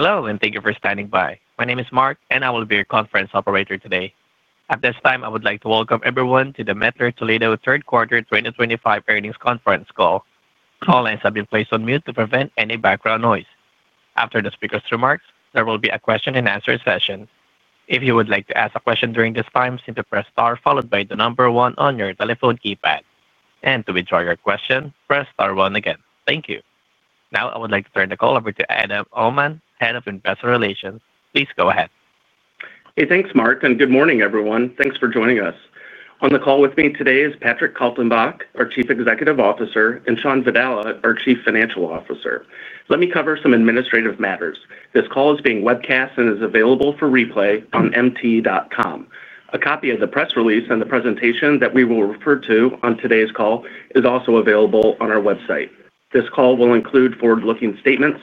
Hello, and thank you for standing by. My name is Mark, and I will be your conference operator today. At this time, I would like to welcome everyone to the Mettler-Toledo Q3 2025 earnings conference call. All lines have been placed on mute to prevent any background noise. After the speaker's remarks, there will be a question-and-answer session. If you would like to ask a question during this time, simply press star followed by the number one on your telephone keypad. To withdraw your question, press star one again. Thank you. Now, I would like to turn the call over to Adam Uhlman, Head of Investor Relations. Please go ahead. Hey, thanks, Mark, and good morning, everyone. Thanks for joining us. On the call with me today is Patrick Kaltenbach, our Chief Executive Officer, and Shawn Vadala, our Chief Financial Officer. Let me cover some administrative matters. This call is being webcast and is available for replay on mt.com. A copy of the press release and the presentation that we will refer to on today's call is also available on our website. This call will include forward-looking statements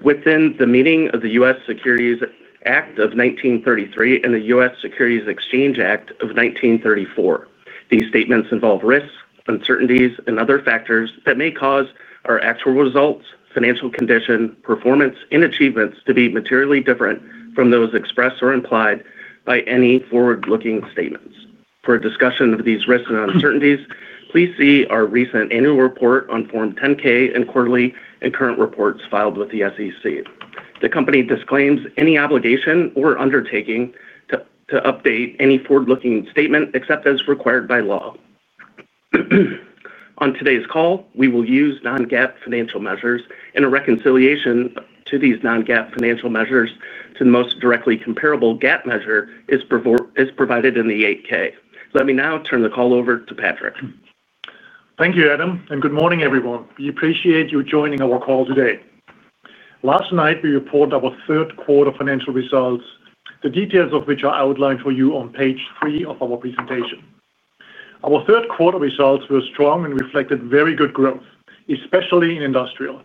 within the meaning of the U.S. Securities Act of 1933 and the U.S. Securities Exchange Act of 1934. These statements involve risks, uncertainties, and other factors that may cause our actual results, financial condition, performance, and achievements to be materially different from those expressed or implied by any forward-looking statements. For a discussion of these risks and uncertainties, please see our recent annual report on Form 10-K and quarterly and current reports filed with the SEC. The company disclaims any obligation or undertaking to update any forward-looking statement except as required by law. On today's call, we will use non-GAAP financial measures, and a reconciliation to these non-GAAP financial measures to the most directly comparable GAAP measure is provided in the 8-K. Let me now turn the call over to Patrick. Thank you, Adam, and good morning, everyone. We appreciate you joining our call today. Last night, we reported our third quarter financial results, the details of which are outlined for you on page three of our presentation. Our third quarter results were strong and reflected very good growth, especially in Industrial.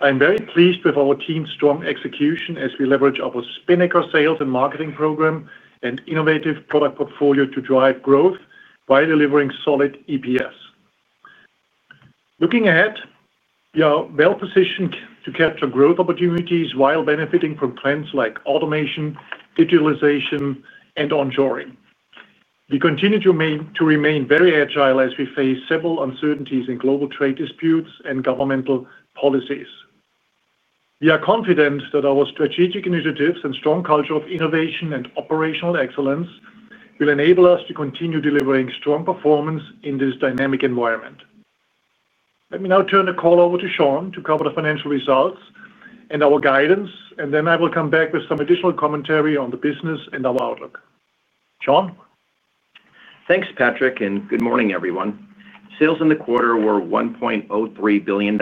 I am very pleased with our team's strong execution as we leverage our Spinnaker sales and marketing program and innovative product portfolio to drive growth while delivering solid EPS. Looking ahead, we are well-positioned to capture growth opportunities while benefiting from trends like automation, digitalization, and onshoring. We continue to remain very agile as we face several uncertainties in global trade disputes and governmental policies. We are confident that our strategic initiatives and strong culture of innovation and operational excellence will enable us to continue delivering strong performance in this dynamic environment. Let me now turn the call over to Shawn to cover the financial results and our guidance, and then I will come back with some additional commentary on the business and our outlook. Shawn. Thanks, Patrick, and good morning, everyone. Sales in the quarter were $1.03 billion,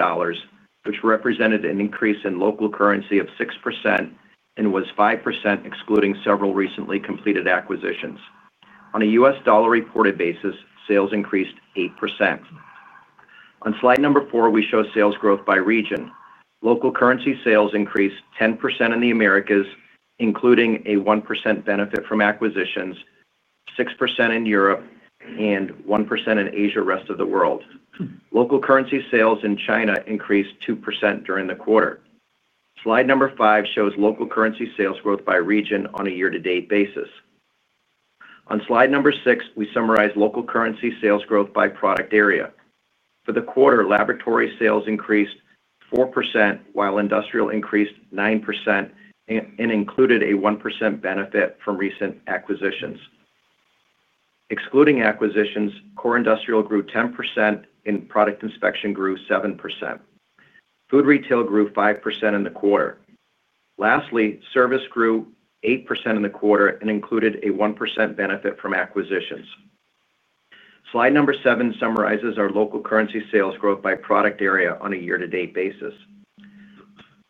which represented an increase in local currency of 6% and was 5% excluding several recently completed acquisitions. On a U.S. dollar reported basis, sales increased 8%. On slide number four, we show sales growth by region. Local currency sales increased 10% in the Americas, including a 1% benefit from acquisitions, 6% in Europe, and 1% in Asia rest of the world. Local currency sales in China increased 2% during the quarter. Slide number five shows local currency sales growth by region on a year-to-date basis. On slide number six, we summarize local currency sales growth by product area. For the quarter, Laboratory sales increased 4%, while Industrial increased 9% and included a 1% benefit from recent acquisitions. Excluding acquisitions, core industrial grew 10% and product inspection grew 7%. Food Retail grew 5% in the quarter. Lastly, Service grew 8% in the quarter and included a 1% benefit from acquisitions. Slide number seven summarizes our local currency sales growth by product area on a year-to-date basis.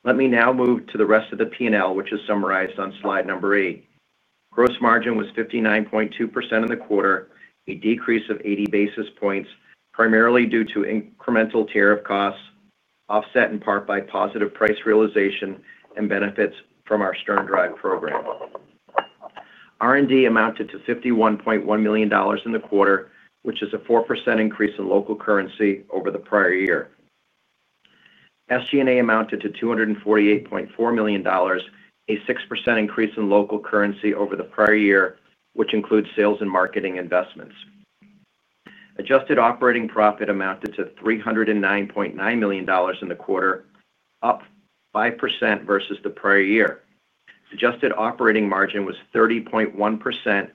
Let me now move to the rest of the P&L, which is summarized on slide number eight. Gross margin was 59.2% in the quarter, a decrease of 80 basis points, primarily due to incremental tariff costs offset in part by positive price realization and benefits from our SternDrive program. R&D amounted to $51.1 million in the quarter, which is a 4% increase in local currency over the prior year. SG&A amounted to $248.4 million, a 6% increase in local currency over the prior year, which includes sales and marketing investments. Adjusted operating profit amounted to $309.9 million in the quarter, up 5% versus the prior year. Adjusted operating margin was 30.1%, a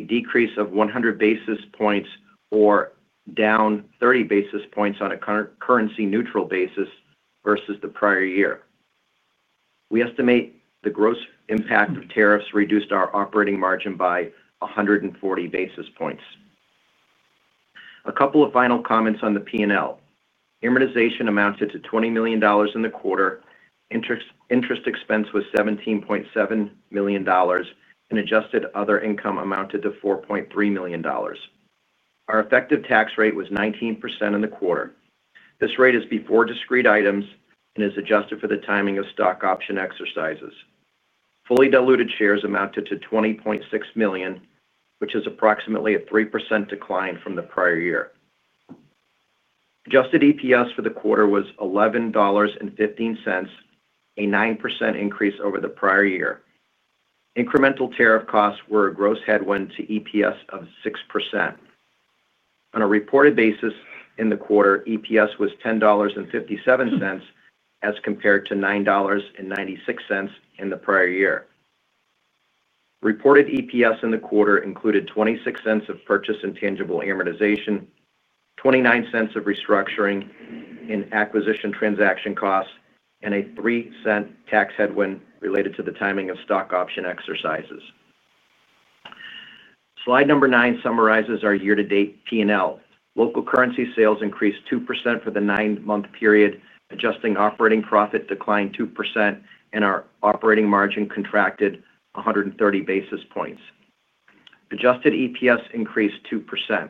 decrease of 100 basis points or down 30 basis points on a currency-neutral basis versus the prior year. We estimate the gross impact of tariffs reduced our operating margin by 140 basis points. A couple of final comments on the P&L. Immunization amounted to $20 million in the quarter. Interest expense was $17.7 million, and adjusted other income amounted to $4.3 million. Our effective tax rate was 19% in the quarter. This rate is before discrete items and is adjusted for the timing of stock option exercises. Fully diluted shares amounted to 20.6 million, which is approximately a 3% decline from the prior year. Adjusted EPS for the quarter was $11.15, a 9% increase over the prior year. Incremental tariff costs were a gross headwind to EPS of 6%. On a reported basis in the quarter, EPS was $10.57 as compared to $9.96 in the prior year. Reported EPS in the quarter included $0.26 of purchase intangible amortization, $0.29 of restructuring and acquisition transaction costs, and a $0.03 tax headwind related to the timing of stock option exercises. Slide number nine summarizes our year-to-date P&L. Local currency sales increased 2% for the nine-month period, adjusted operating profit declined 2%, and our operating margin contracted 130 basis points. Adjusted EPS increased 2%.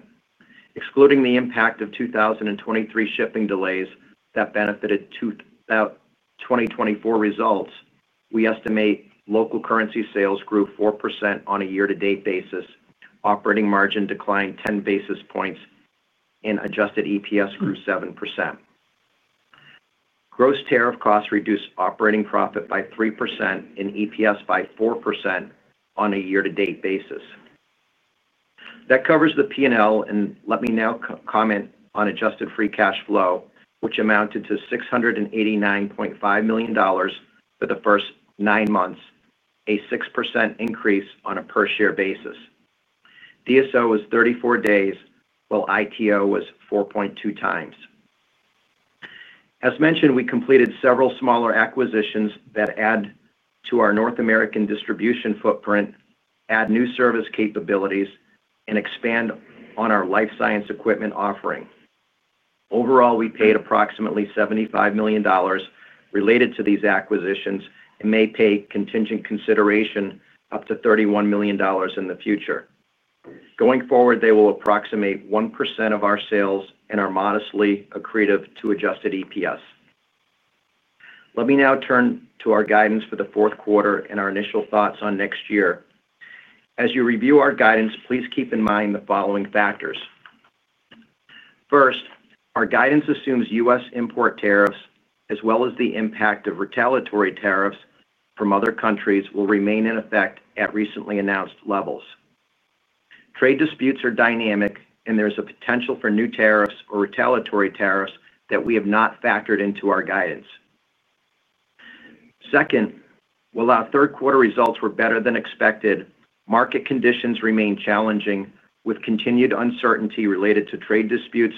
Excluding the impact of 2023 shipping delays that benefited 2024 results, we estimate local currency sales grew 4% on a year-to-date basis, operating margin declined 10 basis points, and adjusted EPS grew 7%. Gross tariff costs reduced operating profit by 3% and EPS by 4% on a year-to-date basis. That covers the P&L, and let me now comment on adjusted free cash flow, which amounted to $689.5 million for the first nine months, a 6% increase on a per-share basis. DSO was 34 days, while ITO was 4.2x. As mentioned, we completed several smaller acquisitions that add to our North American distribution footprint, add new service capabilities, and expand on our life science equipment offering. Overall, we paid approximately $75 million related to these acquisitions and may pay contingent consideration up to $31 million in the future. Going forward, they will approximate 1% of our sales and are modestly accretive to adjusted EPS. Let me now turn to our guidance for the fourth quarter and our initial thoughts on next year. As you review our guidance, please keep in mind the following factors. First, our guidance assumes U.S. Import tariffs, as well as the impact of retaliatory tariffs from other countries, will remain in effect at recently announced levels. Trade disputes are dynamic, and there is a potential for new tariffs or retaliatory tariffs that we have not factored into our guidance. Second, while our third quarter results were better than expected, market conditions remain challenging with continued uncertainty related to trade disputes,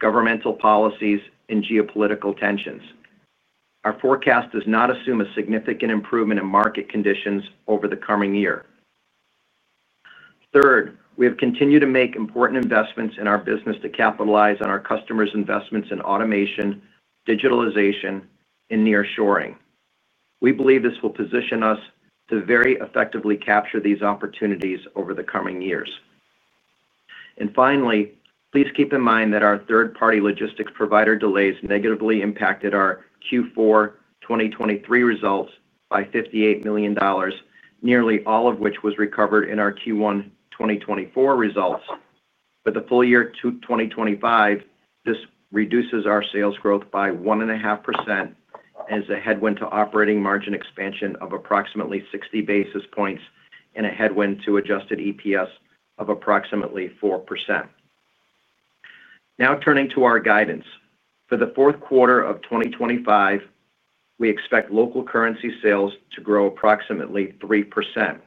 governmental policies, and geopolitical tensions. Our forecast does not assume a significant improvement in market conditions over the coming year. Third, we have continued to make important investments in our business to capitalize on our customers' investments in automation, digitalization, and nearshoring. We believe this will position us to very effectively capture these opportunities over the coming years. Finally, please keep in mind that our third-party logistics provider delays negatively impacted our Q4 2023 results by $58 million, nearly all of which was recovered in our Q1 2024 results. For the full year 2025, this reduces our sales growth by 1.5% and is a headwind to operating margin expansion of approximately 60 basis points and a headwind to adjusted EPS of approximately 4%. Now turning to our guidance. For the fourth quarter of 2025, we expect local currency sales to grow approximately 3%.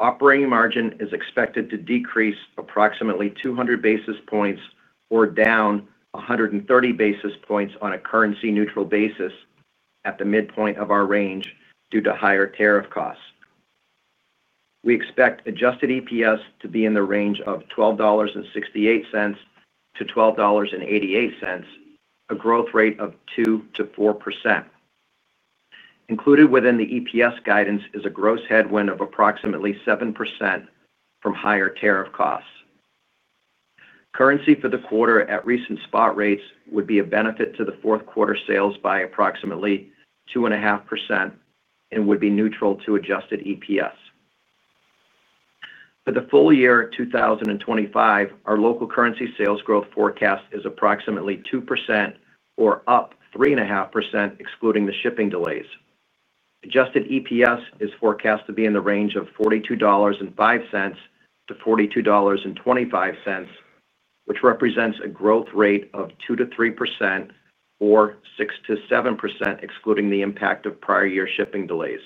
Operating margin is expected to decrease approximately 200 basis points or down 130 basis points on a currency-neutral basis at the midpoint of our range due to higher tariff costs. We expect adjusted EPS to be in the range of $12.68-$12.88, a growth rate of 2%-4%. Included within the EPS guidance is a gross headwind of approximately 7% from higher tariff costs. Currency for the quarter at recent spot rates would be a benefit to the fourth quarter sales by approximately 2.5% and would be neutral to adjusted EPS. For the full year 2025, our local currency sales growth forecast is approximately 2% or up 3.5% excluding the shipping delays. Adjusted EPS is forecast to be in the range of $42.05-$42.25, which represents a growth rate of 2%-3% or 6%-7% excluding the impact of prior year shipping delays.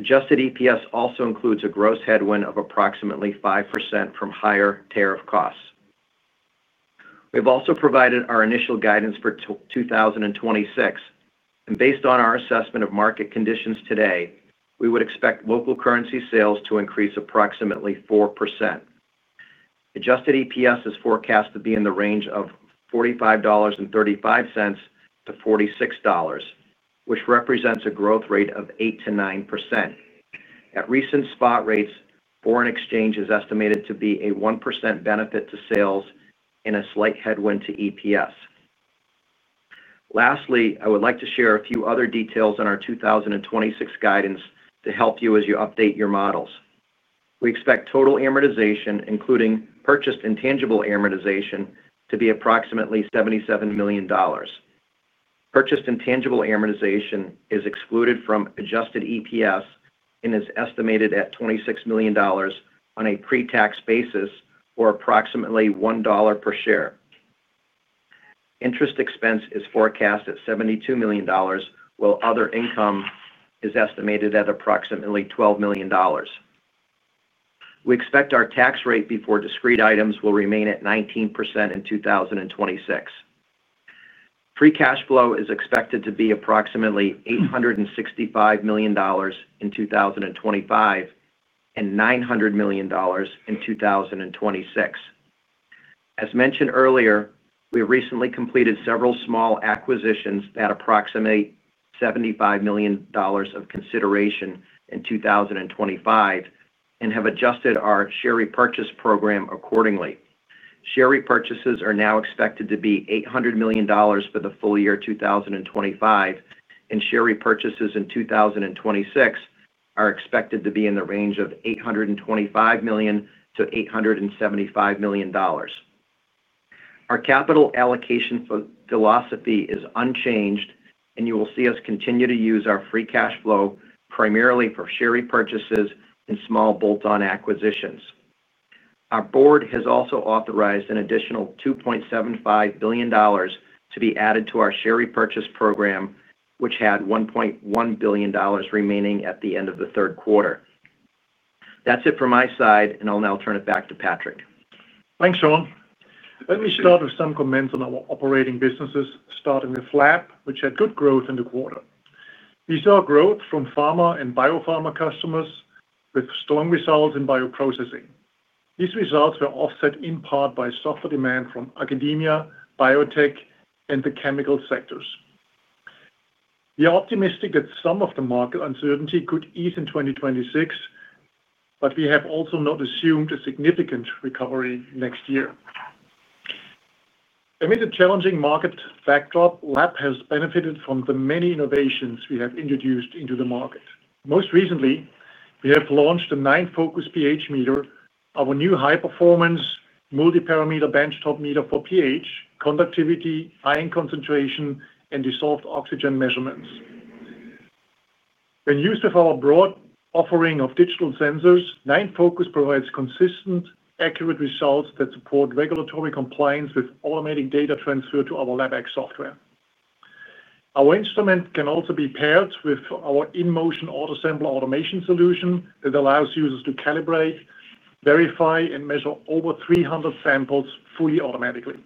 Adjusted EPS also includes a gross headwind of approximately 5% from higher tariff costs. We have also provided our initial guidance for 2026, and based on our assessment of market conditions today, we would expect local currency sales to increase approximately 4%. Adjusted EPS is forecast to be in the range of $45.35-$46, which represents a growth rate of 8%-9%. At recent spot rates, foreign exchange is estimated to be a 1% benefit to sales and a slight headwind to EPS. Lastly, I would like to share a few other details on our 2026 guidance to help you as you update your models. We expect total amortization, including purchased intangible amortization, to be approximately $77 million. Purchased intangible amortization is excluded from adjusted EPS and is estimated at $26 million on a pre-tax basis or approximately $1 per share. Interest expense is forecast at $72 million, while other income is estimated at approximately $12 million. We expect our tax rate before discrete items will remain at 19% in 2026. Free cash flow is expected to be approximately $865 million in 2025 and $900 million in 2026. As mentioned earlier, we have recently completed several small acquisitions that approximate $75 million of consideration in 2025 and have adjusted our share repurchase program accordingly. Share repurchases are now expected to be $800 million for the full year 2025, and share repurchases in 2026 are expected to be in the range of $825 million-$875 million. Our capital allocation philosophy is unchanged, and you will see us continue to use our free cash flow primarily for share repurchases and small bolt-on acquisitions. Our Board has also authorized an additional $2.75 billion to be added to our share repurchase program, which had $1.1 billion remaining at the end of the third quarter. That's it from my side, and I'll now turn it back to Patrick. Thanks, Shawn. Let me start with some comments on our operating businesses, starting with FLAP, which had good growth in the quarter. We saw growth from pharma and biopharma customers with strong results in bioprocessing. These results were offset in part by softer demand from academia, biotech, and the chemical sectors. We are optimistic that some of the market uncertainty could ease in 2026, but we have also not assumed a significant recovery next year. Amid the challenging market backdrop, FLAP has benefited from the many innovations we have introduced into the market. Most recently, we have launched the NineFocus pH meter, our new high-performance multiparameter benchtop meter for pH, conductivity, ion concentration, and dissolved oxygen measurements. When used with our broad offering of digital sensors, NineFocus provides consistent, accurate results that support regulatory compliance with automating data transfer to our LabX software. Our instrument can also be paired with our in-motion autosampler automation solution that allows users to calibrate, verify, and measure over 300 samples fully automatically.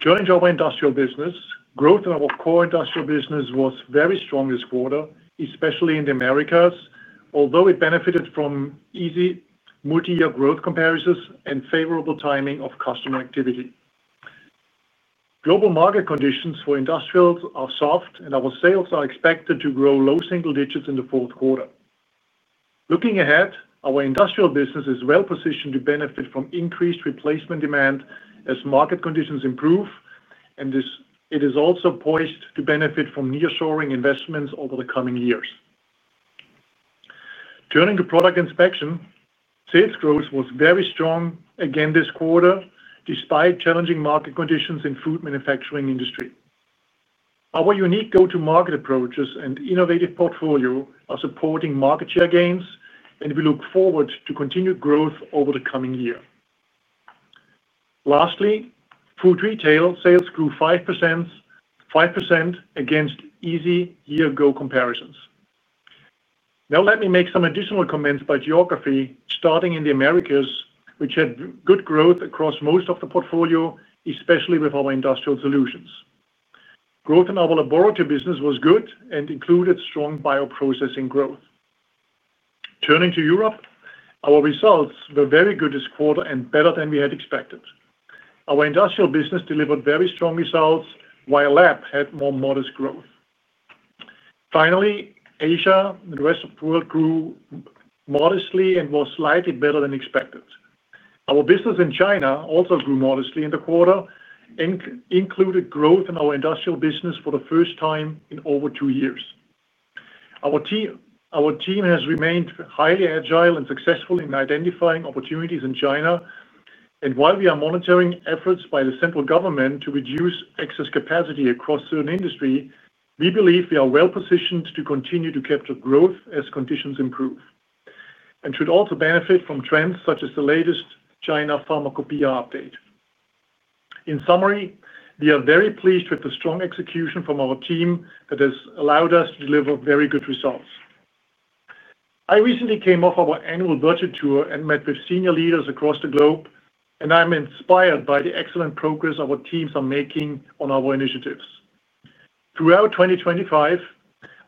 Joining our Industrial business, growth in our core Industrial business was very strong this quarter, especially in the Americas, although it benefited from easy multi-year growth comparisons and favorable timing of customer activity. Global market conditions for industrials are soft, and our sales are expected to grow low single digits in the fourth quarter. Looking ahead, our Industrial business is well positioned to benefit from increased replacement demand as market conditions improve, and it is also poised to benefit from nearshoring investments over the coming years. Turning to product inspection, sales growth was very strong again this quarter despite challenging market conditions in the food manufacturing industry. Our unique go-to-market approaches and innovative portfolio are supporting market share gains, and we look forward to continued growth over the coming year. Lastly, Food Retail sales grew 5% against easy year-ago comparisons. Now let me make some additional comments by geography, starting in the Americas, which had good growth across most of the portfolio, especially with our industrial solutions. Growth in our Laboratory business was good and included strong bioprocessing growth. Turning to Europe, our results were very good this quarter and better than we had expected. Our Industrial business delivered very strong results, while Lab had more modest growth. Finally, Asia and the rest of the world grew modestly and was slightly better than expected. Our business in China also grew modestly in the quarter and included growth in our Industrial business for the first time in over two years. Our team has remained highly agile and successful in identifying opportunities in China, and while we are monitoring efforts by the central government to reduce excess capacity across certain industries, we believe we are well positioned to continue to capture growth as conditions improve and should also benefit from trends such as the latest China Pharmacopeia update. In summary, we are very pleased with the strong execution from our team that has allowed us to deliver very good results. I recently came off our annual budget tour and met with senior leaders across the globe, and I'm inspired by the excellent progress our teams are making on our initiatives. Throughout 2025,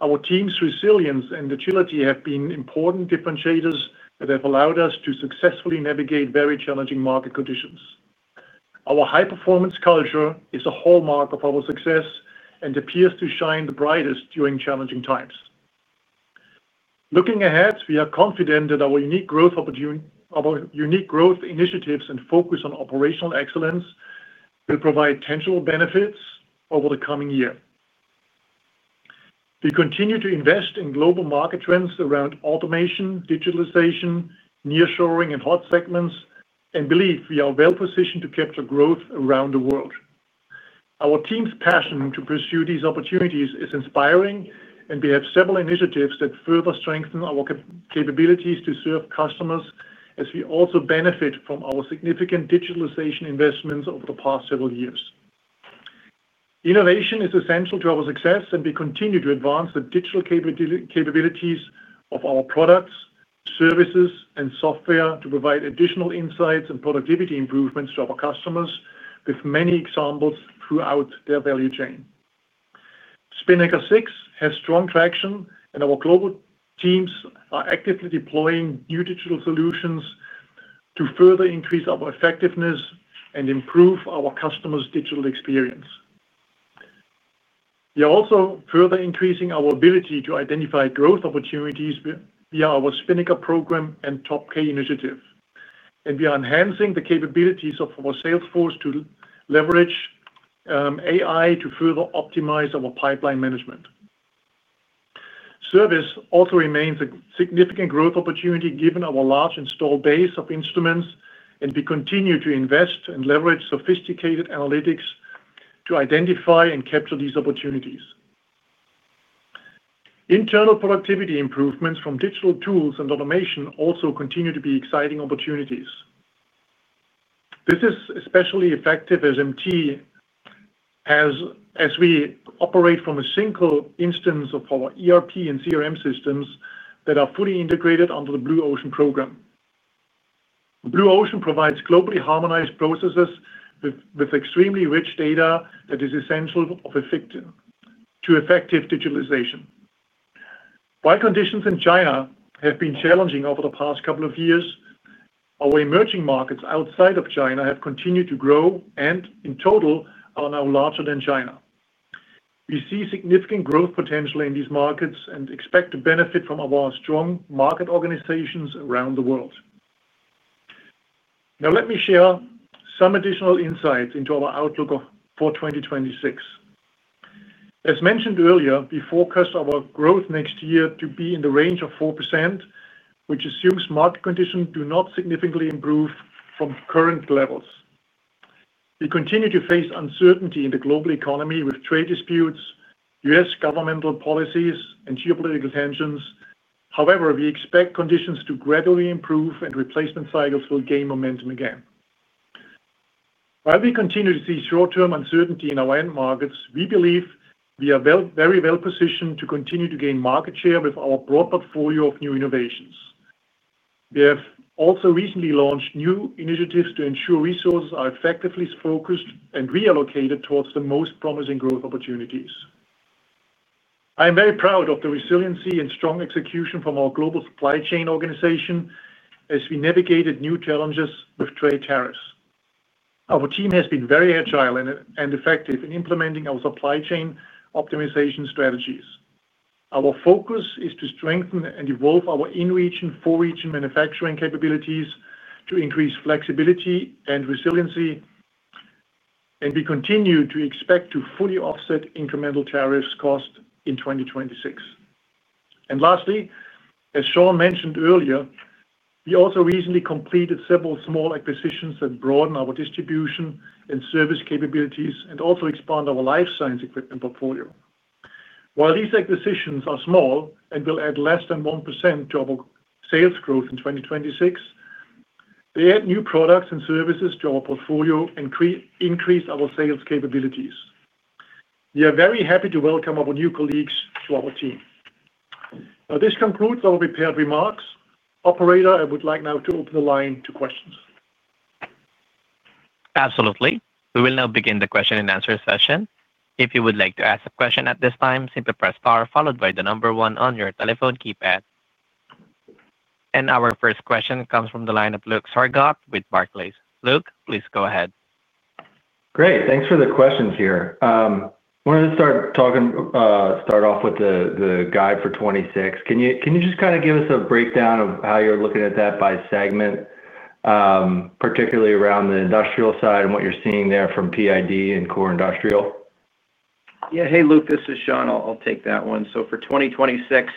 our team's resilience and agility have been important differentiators that have allowed us to successfully navigate very challenging market conditions. Our high-performance culture is a hallmark of our success and appears to shine the brightest during challenging times. Looking ahead, we are confident that our unique growth initiatives and focus on operational excellence will provide tangible benefits over the coming year. We continue to invest in global market trends around automation, digitalization, nearshoring, and hot segments, and believe we are well positioned to capture growth around the world. Our team's passion to pursue these opportunities is inspiring, and we have several initiatives that further strengthen our capabilities to serve customers as we also benefit from our significant digitalization investments over the past several years. Innovation is essential to our success, and we continue to advance the digital capabilities of our products, services, and software to provide additional insights and productivity improvements to our customers with many examples throughout their value chain. Spinnaker 6 has strong traction, and our global teams are actively deploying new digital solutions to further increase our effectiveness and improve our customers' digital experience. We are also further increasing our ability to identify growth opportunities via our Spinnaker program and TopK initiative, and we are enhancing the capabilities of our sales force to leverage AI to further optimize our pipeline management. Service also remains a significant growth opportunity given our large install base of instruments, and we continue to invest and leverage sophisticated analytics to identify and capture these opportunities. Internal productivity improvements from digital tools and automation also continue to be exciting opportunities. This is especially effective as we operate from a single instance of our ERP and CRM systems that are fully integrated under the Blue Ocean Program. Blue Ocean provides globally harmonized processes with extremely rich data that is essential to effective digitalization. While conditions in China have been challenging over the past couple of years, our emerging markets outside of China have continued to grow and, in total, are now larger than China. We see significant growth potential in these markets and expect to benefit from our strong market organizations around the world. Now let me share some additional insights into our outlook for 2026. As mentioned earlier, we forecast our growth next year to be in the range of 4%, which assumes market conditions do not significantly improve from current levels. We continue to face uncertainty in the global economy with trade disputes, U.S. governmental policies, and geopolitical tensions. However, we expect conditions to gradually improve and replacement cycles will gain momentum again. While we continue to see short-term uncertainty in our end markets, we believe we are very well positioned to continue to gain market share with our broad portfolio of new innovations. We have also recently launched new initiatives to ensure resources are effectively focused and reallocated towards the most promising growth opportunities. I am very proud of the resiliency and strong execution from our global supply chain organization as we navigated new challenges with trade tariffs. Our team has been very agile and effective in implementing our supply chain optimization strategies. Our focus is to strengthen and evolve our in-region, for-region manufacturing capabilities to increase flexibility and resiliency, and we continue to expect to fully offset incremental tariffs cost in 2026. Lastly, as Shawn mentioned earlier, we also recently completed several small acquisitions that broaden our distribution and service capabilities and also expand our life science equipment portfolio. While these acquisitions are small and will add less than 1% to our sales growth in 2026, they add new products and services to our portfolio and increase our sales capabilities. We are very happy to welcome our new colleagues to our team. Now this concludes our prepared remarks. Operator, I would like now to open the line to questions. Absolutely. We will now begin the question and answer session. If you would like to ask a question at this time, simply press star followed by the number one on your telephone keypad. Our first question comes from the line of Luke Sergott with Barclays. Luke, please go ahead. Great. Thanks for the questions here. I wanted to start talking, start off with the guide for 2026. Can you just kind of give us a breakdown of how you're looking at that by segment, particularly around the industrial side and what you're seeing there from PID and core industrial? Yeah. Hey, Luke, this is Shawn. I'll take that one. For 2026,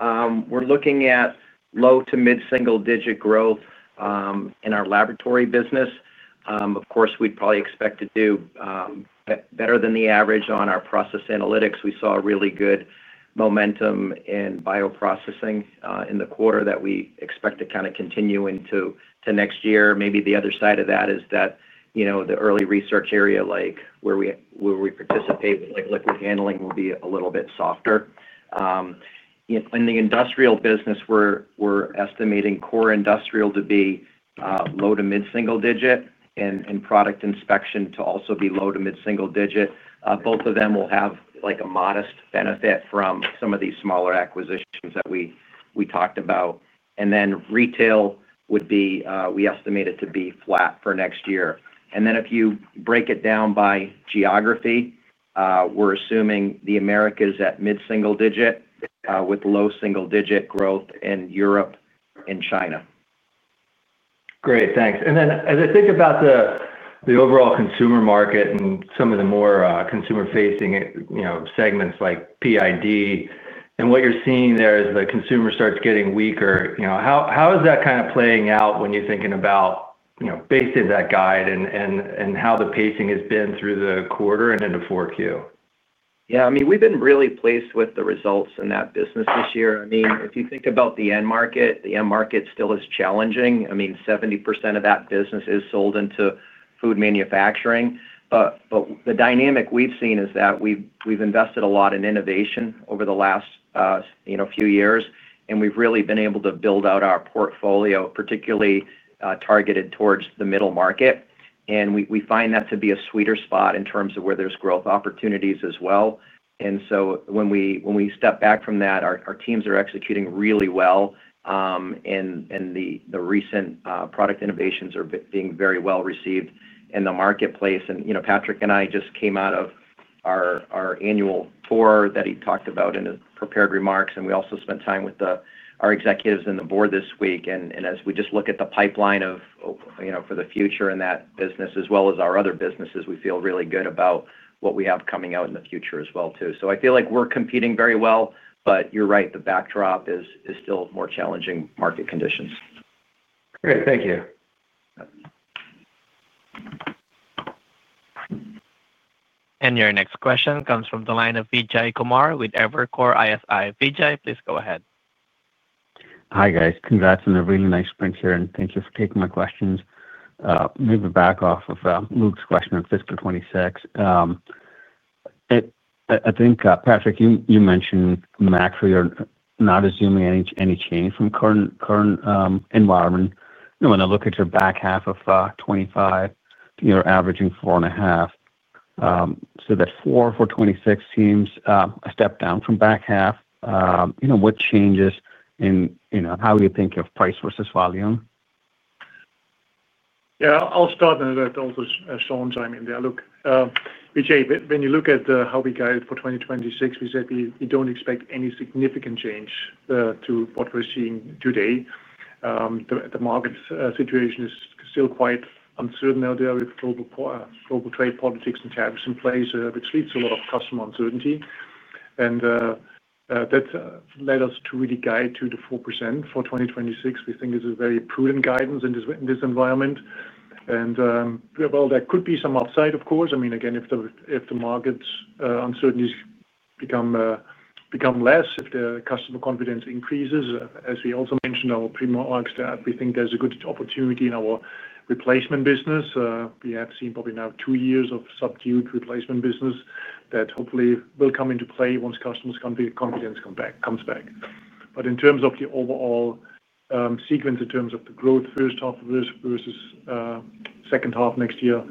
we're looking at low to mid-single digit growth in our Laboratory business. Of course, we'd probably expect to do better than the average on our process analytics. We saw really good momentum in bioprocessing in the quarter that we expect to kind of continue into next year. Maybe the other side of that is that the early research area, like where we participate with liquid handling, will be a little bit softer. In the Industrial business, we're estimating core industrial to be low to mid-single digit and product inspection to also be low to mid-single digit. Both of them will have a modest benefit from some of these smaller acquisitions that we talked about. Retail would be we estimate it to be flat for next year. If you break it down by geography, we're assuming the Americas at mid-single digit with low single digit growth in Europe and China. Great. Thanks. As I think about the overall consumer market and some of the more consumer-facing segments like PID and what you are seeing there as the consumer starts getting weaker, how is that kind of playing out when you are thinking about based on that guide and how the pacing has been through the quarter and into 2024? Yeah. I mean, we've been really pleased with the results in that business this year. I mean, if you think about the end market, the end market still is challenging. I mean, 70% of that business is sold into food manufacturing. The dynamic we've seen is that we've invested a lot in innovation over the last few years, and we've really been able to build out our portfolio, particularly targeted towards the middle market. We find that to be a sweeter spot in terms of where there's growth opportunities as well. When we step back from that, our teams are executing really well, and the recent product innovations are being very well received in the marketplace. Patrick and I just came out of our annual tour that he talked about in his prepared remarks, and we also spent time with our executives and the board this week. As we just look at the pipeline for the future in that business, as well as our other businesses, we feel really good about what we have coming out in the future as well too. I feel like we're competing very well, but you're right, the backdrop is still more challenging market conditions. Great. Thank you. Your next question comes from the line of Vijay Kumar with Evercore ISI. Vijay, please go ahead. Hi guys. Congrats on a really nice sprint here, and thank you for taking my questions. Maybe back off of Luke's question of fiscal 2026. I think, Patrick, you mentioned actually you're not assuming any change from current environment. When I look at your back half of 2025, you're averaging 4.5%. So that's 4% for 2026 seems a step down from back half. What changes in how do you think of price versus volume? Yeah. I'll start and let Shawn chime in there. Look, Vijay, when you look at how we guide for 2026, we said we do not expect any significant change to what we are seeing today. The market situation is still quite uncertain out there with global trade politics and tariffs in place, which leads to a lot of customer uncertainty. That led us to really guide to the 4% for 2026. We think it is a very prudent guidance in this environment. There could be some upside, of course. I mean, again, if the market uncertainties become less, if the customer confidence increases. As we also mentioned, our pre-market, we think there is a good opportunity in our replacement business. We have seen probably now two years of subdued replacement business that hopefully will come into play once customer confidence comes back. In terms of the overall sequence, in terms of the growth, first half of this versus second half next year,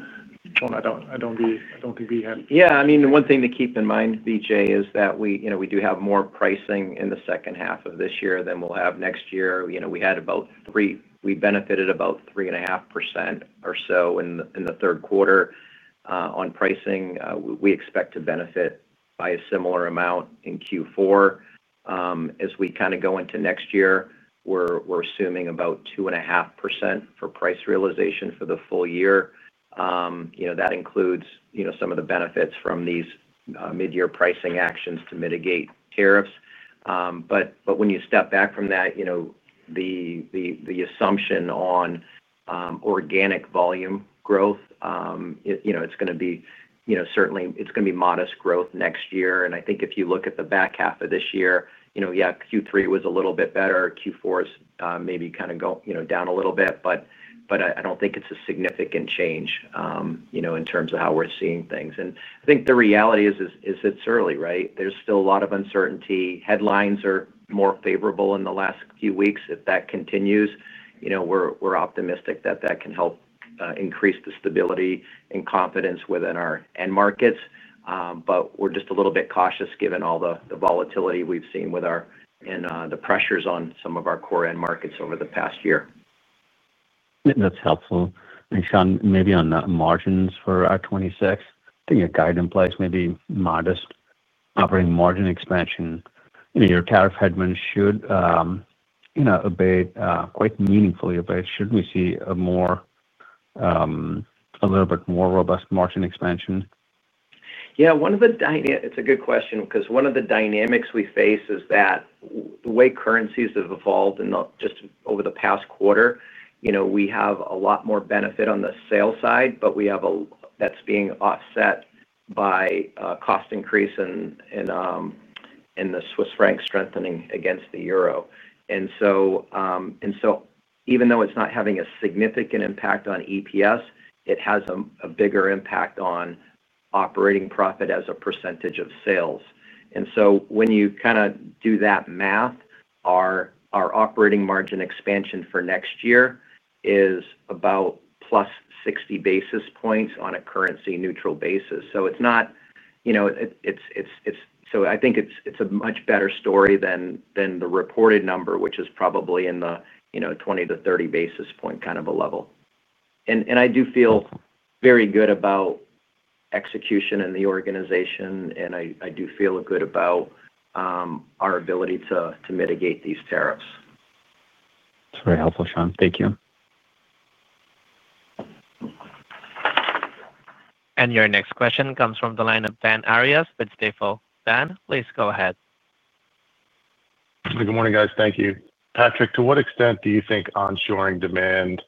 I do not think we have. Yeah. I mean, one thing to keep in mind, Vijay, is that we do have more pricing in the second half of this year than we'll have next year. We had about 3%; we benefited about 3.5% or so in the third quarter on pricing. We expect to benefit by a similar amount in Q4. As we kind of go into next year, we're assuming about 2.5% for price realization for the full year. That includes some of the benefits from these mid-year pricing actions to mitigate tariffs. When you step back from that, the assumption on organic volume growth, it's going to be certainly it's going to be modest growth next year. I think if you look at the back half of this year, yeah, Q3 was a little bit better. Q4 is maybe kind of going down a little bit, but I do not think it is a significant change in terms of how we are seeing things. I think the reality is it is early, right? There is still a lot of uncertainty. Headlines are more favorable in the last few weeks. If that continues, we are optimistic that that can help increase the stability and confidence within our end markets. We are just a little bit cautious given all the volatility we have seen with our and the pressures on some of our core end markets over the past year. That's helpful. Shawn, maybe on the margins for our 2026, I think a guide in place, maybe modest operating margin expansion. Your tariff headlines should abate quite meaningfully. Should we see a little bit more robust margin expansion? Yeah. One of the—it's a good question because one of the dynamics we face is that the way currencies have evolved just over the past quarter, we have a lot more benefit on the sale side, but we have a—that's being offset by cost increase and the Swiss franc strengthening against the euro. Even though it's not having a significant impact on EPS, it has a bigger impact on operating profit as a percentage of sales. When you kind of do that math, our operating margin expansion for next year is about +60 basis points on a currency-neutral basis. It's not—I think it's a much better story than the reported number, which is probably in the 20-30 basis point kind of a level. I do feel very good about execution in the organization, and I do feel good about our ability to mitigate these tariffs. That's very helpful, Shawn. Thank you. Your next question comes from the line of Dan Arias with Stifel. Dan, please go ahead. Good morning, guys. Thank you. Patrick, to what extent do you think onshoring demand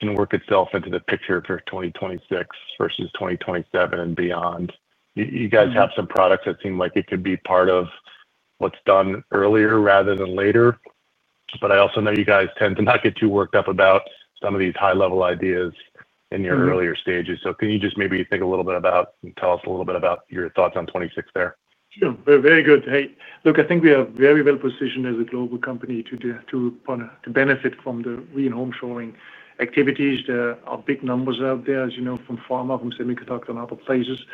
can work itself into the picture for 2026 versus 2027 and beyond? You guys have some products that seem like it could be part of what's done earlier rather than later. I also know you guys tend to not get too worked up about some of these high-level ideas in your earlier stages. Can you just maybe think a little bit about and tell us a little bit about your thoughts on 2026 there? Yeah. Very good. Look, I think we are very well positioned as a global company to benefit from the re- and onshoring activities. There are big numbers out there, as you know, from pharma, from semiconductor, and other places.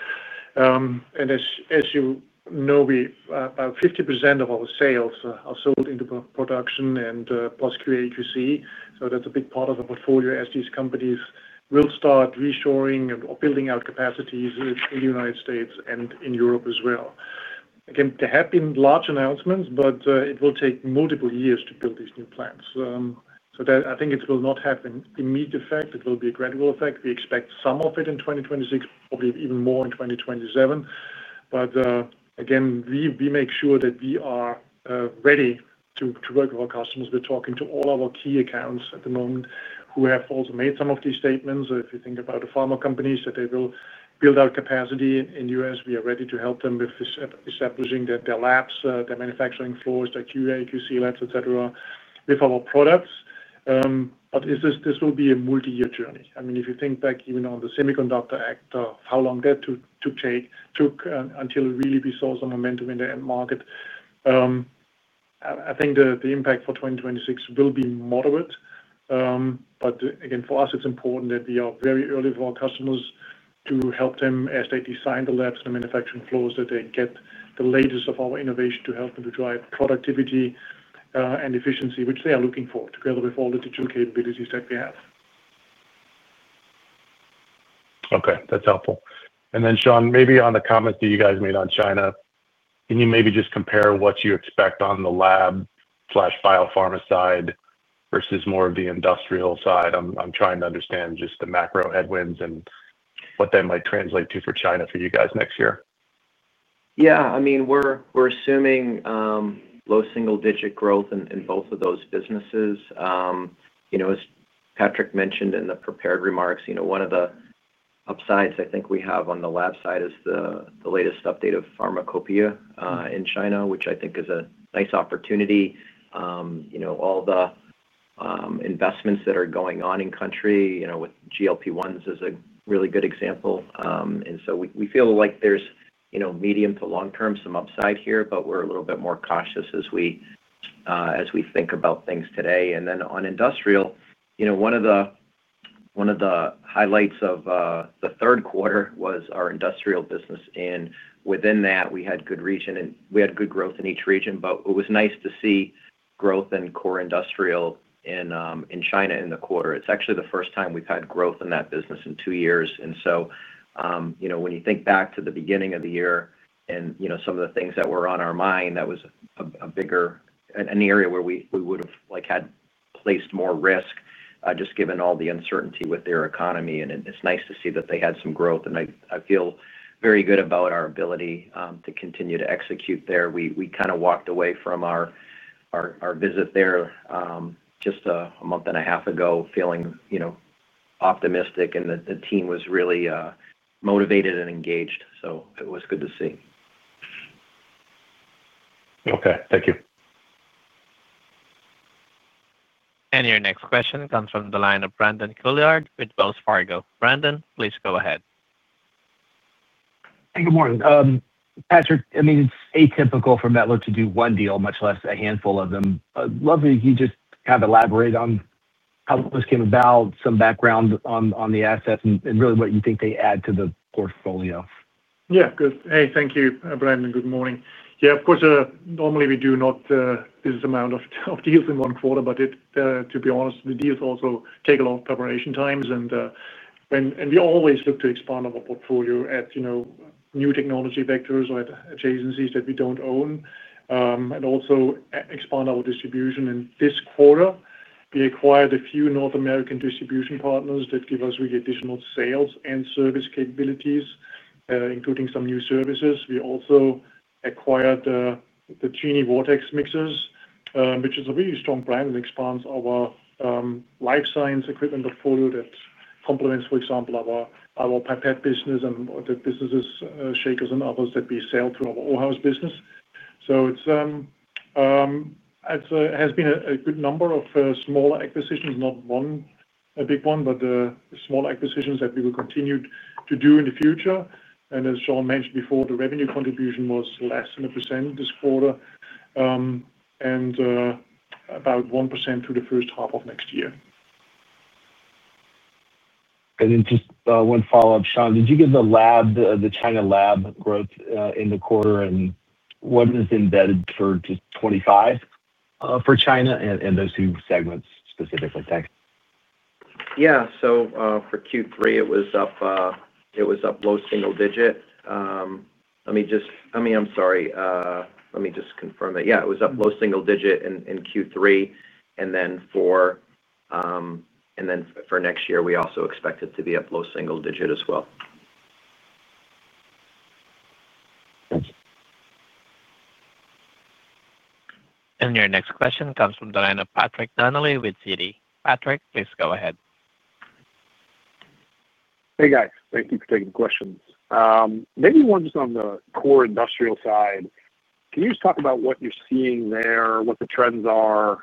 And as you know, about 50% of our sales are sold into production and plus QA/QC. So that's a big part of the portfolio as these companies will start reshoring or building out capacities in the United States and in Europe as well. Again, there have been large announcements, but it will take multiple years to build these new plants. I think it will not have an immediate effect. It will be a gradual effect. We expect some of it in 2026, probably even more in 2027. Again, we make sure that we are ready to work with our customers. We're talking to all our key accounts at the moment who have also made some of these statements. If you think about the pharma companies that they will build out capacity in the U.S., we are ready to help them with establishing their labs, their manufacturing floors, their QA/QC labs, etc., with our products. This will be a multi-year journey. I mean, if you think back even on the Semiconductor Act, how long that took until it really saw some momentum in the end market, I think the impact for 2026 will be moderate. Again, for us, it's important that we are very early for our customers to help them as they design the labs and the manufacturing floors, that they get the latest of our innovation to help them to drive productivity and efficiency, which they are looking for together with all the digital capabilities that we have. Okay. That's helpful. Then, Shawn, maybe on the comments that you guys made on China, can you maybe just compare what you expect on the lab/bio-pharma side versus more of the industrial side? I'm trying to understand just the macro headwinds and what that might translate to for China for you guys next year. Yeah. I mean, we're assuming low single-digit growth in both of those businesses. As Patrick mentioned in the prepared remarks, one of the upsides I think we have on the lab side is the latest update of Pharmacopeia in China, which I think is a nice opportunity. All the investments that are going on in-country with GLP-1s is a really good example. And so we feel like there's medium to long-term some upside here, but we're a little bit more cautious as we think about things today. On Industrial, one of the highlights of the third quarter was our Industrial business. Within that, we had good region. We had good growth in each region, but it was nice to see growth in core industrial in China in the quarter. It's actually the first time we've had growth in that business in two years. When you think back to the beginning of the year and some of the things that were on our mind, that was a bigger an area where we would have had placed more risk just given all the uncertainty with their economy. It is nice to see that they had some growth. I feel very good about our ability to continue to execute there. We kind of walked away from our visit there just a month and a half ago feeling optimistic, and the team was really motivated and engaged. It was good to see. Okay. Thank you. Your next question comes from the line of Brandon Couillard with Wells Fargo. Brandon, please go ahead. Hey, good morning. Patrick, I mean, it's atypical for Mettler to do one deal, much less a handful of them. I'd love if you just kind of elaborate on how this came about, some background on the assets, and really what you think they add to the portfolio. Yeah. Good. Hey, thank you, Brandon. Good morning. Yeah. Of course, normally we do not do this amount of deals in one quarter, but to be honest, the deals also take a lot of preparation time. We always look to expand our portfolio at new technology vectors or at agencies that we do not own and also expand our distribution. In this quarter, we acquired a few North American distribution partners that give us really additional sales and service capabilities, including some new services. We also acquired the Genie Vortex mixers, which is a really strong brand that expands our life science equipment portfolio that complements, for example, our pipette business and the businesses, shakers, and others that we sell through our OHAUS business. It has been a good number of smaller acquisitions, not one big one, but small acquisitions that we will continue to do in the future. As Shawn mentioned before, the revenue contribution was less than 1% this quarter and about 1% through the first half of next year. Just one follow-up, Shawn, did you give the China lab growth in the quarter and what is embedded for 2025 for China and those two segments specifically? Thanks. Yeah. For Q3, it was up low single digit. I mean, I'm sorry. Let me just confirm that. Yeah. It was up low single digit in Q3. For next year, we also expect it to be up low single digit as well. Thanks. Your next question comes from the line of Patrick Donnelly with Citi. Patrick, please go ahead. Hey, guys. Thank you for taking the questions. Maybe one just on the core industrial side. Can you just talk about what you're seeing there, what the trends are,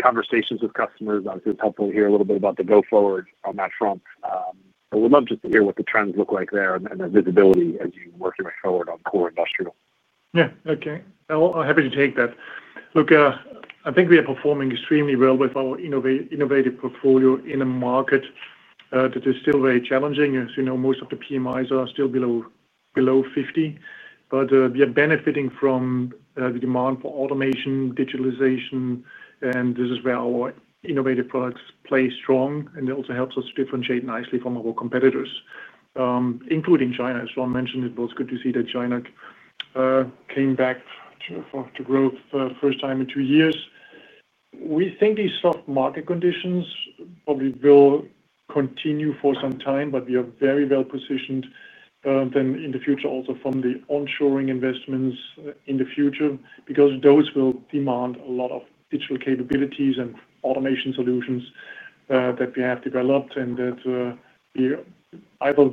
conversations with customers? Obviously, it's helpful to hear a little bit about the go-forward on that front. We'd love just to hear what the trends look like there and the visibility as you work your way forward on core industrial. Yeah. Okay. I'm happy to take that. Look, I think we are performing extremely well with our innovative portfolio in a market that is still very challenging. As you know, most of the PMIs are still below 50. We are benefiting from the demand for automation, digitalization, and this is where our innovative products play strong. It also helps us differentiate nicely from our competitors, including China. As Shawn mentioned, it was good to see that China came back to growth for the first time in two years. We think these soft market conditions probably will continue for some time, but we are very well positioned then in the future also from the onshoring investments in the future because those will demand a lot of digital capabilities and automation solutions that we have developed and that we either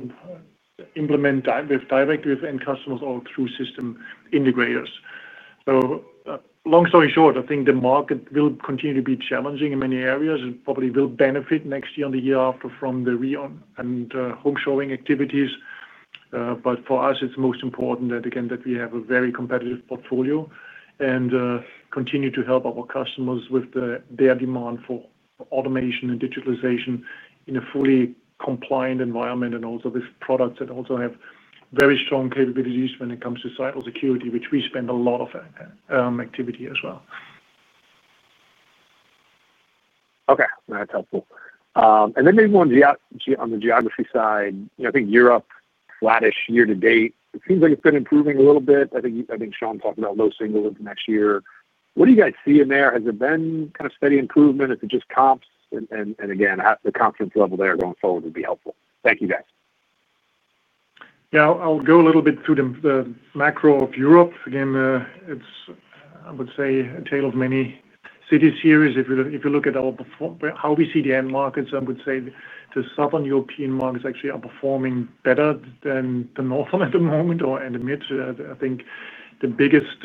implement directly with end customers or through system integrators. Long story short, I think the market will continue to be challenging in many areas and probably will benefit next year and the year after from the re- and onshoring activities. For us, it's most important that, again, we have a very competitive portfolio and continue to help our customers with their demand for automation and digitalization in a fully compliant environment and also with products that also have very strong capabilities when it comes to cybersecurity, which we spend a lot of activity as well. Okay. That is helpful. Maybe on the geography side, I think Europe is flattish year-to-date. It seems like it has been improving a little bit. I think Shawn talked about low single next year. What do you guys see in there? Has there been kind of steady improvement? Is it just comps? The confidence level there going forward would be helpful. Thank you, guys. Yeah. I'll go a little bit through the macro of Europe. Again, it's, I would say, a tale of many cities here. If you look at how we see the end markets, I would say the southern European markets actually are performing better than the northern at the moment or in the mid. I think the biggest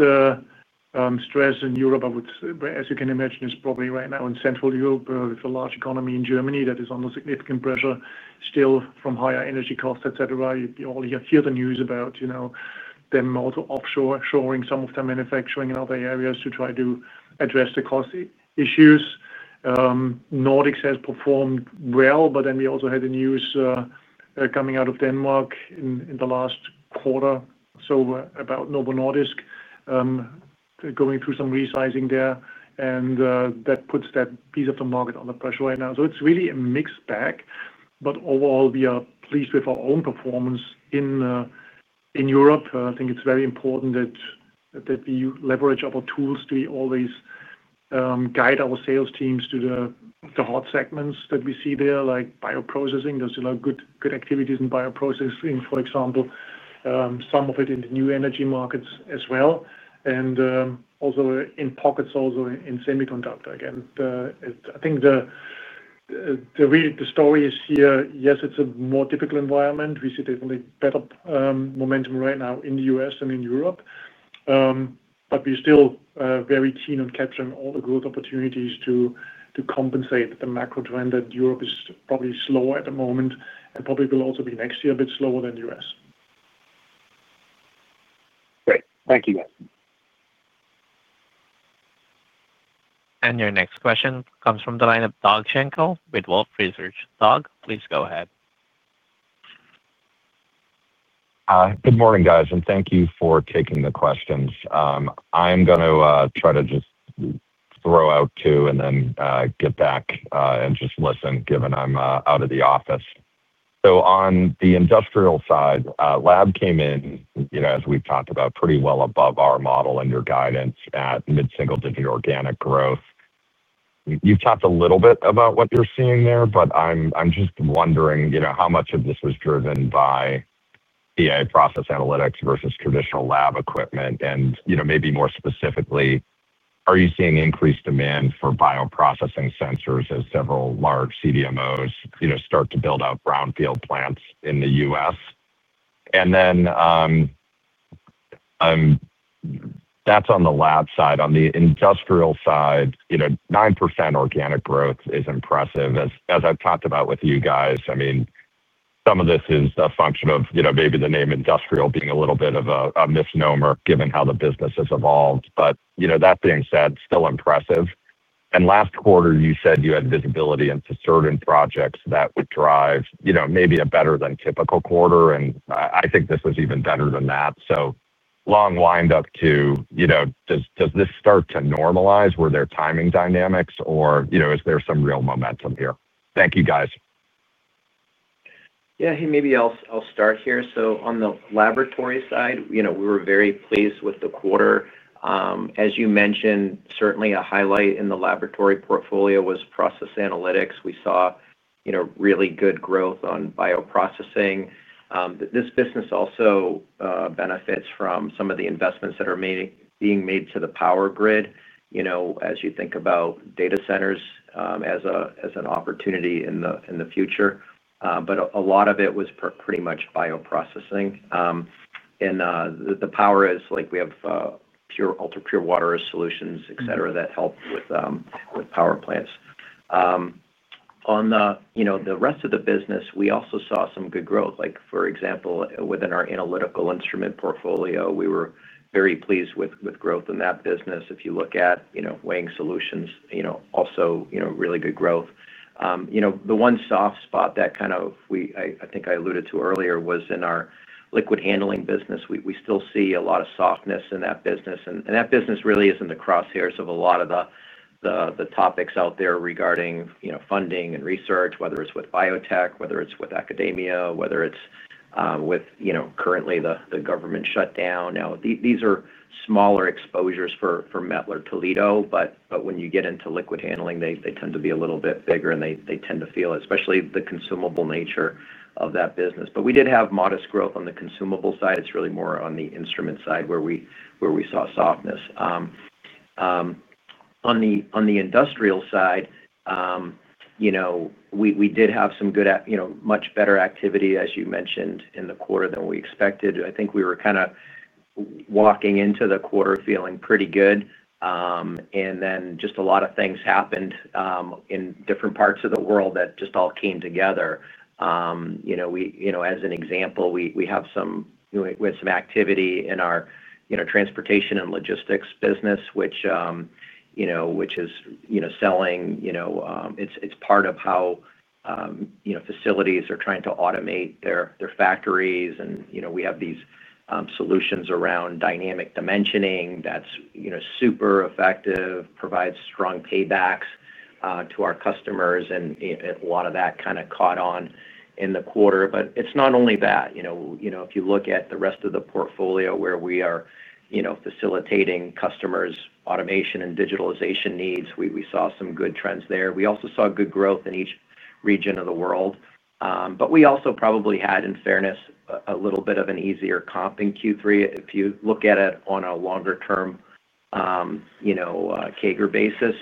stress in Europe, as you can imagine, is probably right now in Central Europe with a large economy in Germany that is under significant pressure still from higher energy costs, etc. You hear the news about them also offshoring some of their manufacturing in other areas to try to address the cost issues. Nordics has performed well, but then we also had the news coming out of Denmark in the last quarter, so about Novo Nordisk going through some resizing there. That puts that piece of the market under pressure right now. It is really a mixed bag. Overall, we are pleased with our own performance in Europe. I think it is very important that we leverage our tools to always guide our sales teams to the hot segments that we see there, like bioprocessing. There is a lot of good activities in bioprocessing, for example, some of it in the new energy markets as well. Also in pockets, also in semiconductor. Again, I think the story is here, yes, it is a more difficult environment. We see definitely better momentum right now in the U.S. and in Europe. We are still very keen on capturing all the growth opportunities to compensate the macro trend that Europe is probably slower at the moment and probably will also be next year a bit slower than the U.S. Great. Thank you, guys. Your next question comes from the line of Doug Schenkel with Wolfe Research. Doug, please go ahead. Good morning, guys. Thank you for taking the questions. I'm going to try to just throw out two and then get back and just listen given I'm out of the office. On the industrial side, lab came in, as we've talked about, pretty well above our model and your guidance at mid-single-digit organic growth. You've talked a little bit about what you're seeing there, but I'm just wondering how much of this was driven by BA process analytics versus traditional lab equipment. Maybe more specifically, are you seeing increased demand for bioprocessing sensors as several large CDMOs start to build out brownfield plants in the U.S.? That's on the lab side. On the Industrial side, 9% organic growth is impressive. As I've talked about with you guys, I mean, some of this is a function of maybe the name industrial being a little bit of a misnomer given how the business has evolved. That being said, still impressive. Last quarter, you said you had visibility into certain projects that would drive maybe a better than typical quarter. I think this was even better than that. Long windup to, does this start to normalize? Were there timing dynamics, or is there some real momentum here? Thank you, guys. Yeah. Hey, maybe I'll start here. On the Laboratory side, we were very pleased with the quarter. As you mentioned, certainly a highlight in the laboratory portfolio was process analytics. We saw really good growth on bioprocessing. This business also benefits from some of the investments that are being made to the power grid as you think about data centers as an opportunity in the future. A lot of it was pretty much bioprocessing. The power is like we have ultra-pure water solutions, etc., that help with power plants. On the rest of the business, we also saw some good growth. For example, within our analytical instrument portfolio, we were very pleased with growth in that business. If you look at weighing solutions, also really good growth. The one soft spot that kind of I think I alluded to earlier was in our liquid handling business. We still see a lot of softness in that business. That business really is in the crosshairs of a lot of the topics out there regarding funding and research, whether it is with biotech, whether it is with academia, whether it is with currently the government shutdown. Now, these are smaller exposures for Mettler-Toledo, but when you get into liquid handling, they tend to be a little bit bigger, and they tend to feel especially the consumable nature of that business. We did have modest growth on the consumable side. It is really more on the instrument side where we saw softness. On the Industrial side, we did have some good, much better activity, as you mentioned, in the quarter than we expected. I think we were kind of walking into the quarter feeling pretty good. A lot of things happened in different parts of the world that just all came together. As an example, we have some activity in our transportation and logistics business, which is selling. It is part of how facilities are trying to automate their factories. We have these solutions around dynamic dimensioning that are super effective and provide strong paybacks to our customers. A lot of that kind of caught on in the quarter. It is not only that. If you look at the rest of the portfolio where we are facilitating customers' automation and digitalization needs, we saw some good trends there. We also saw good growth in each region of the world. We also probably had, in fairness, a little bit of an easier comp in Q3 if you look at it on a longer-term CAGR basis.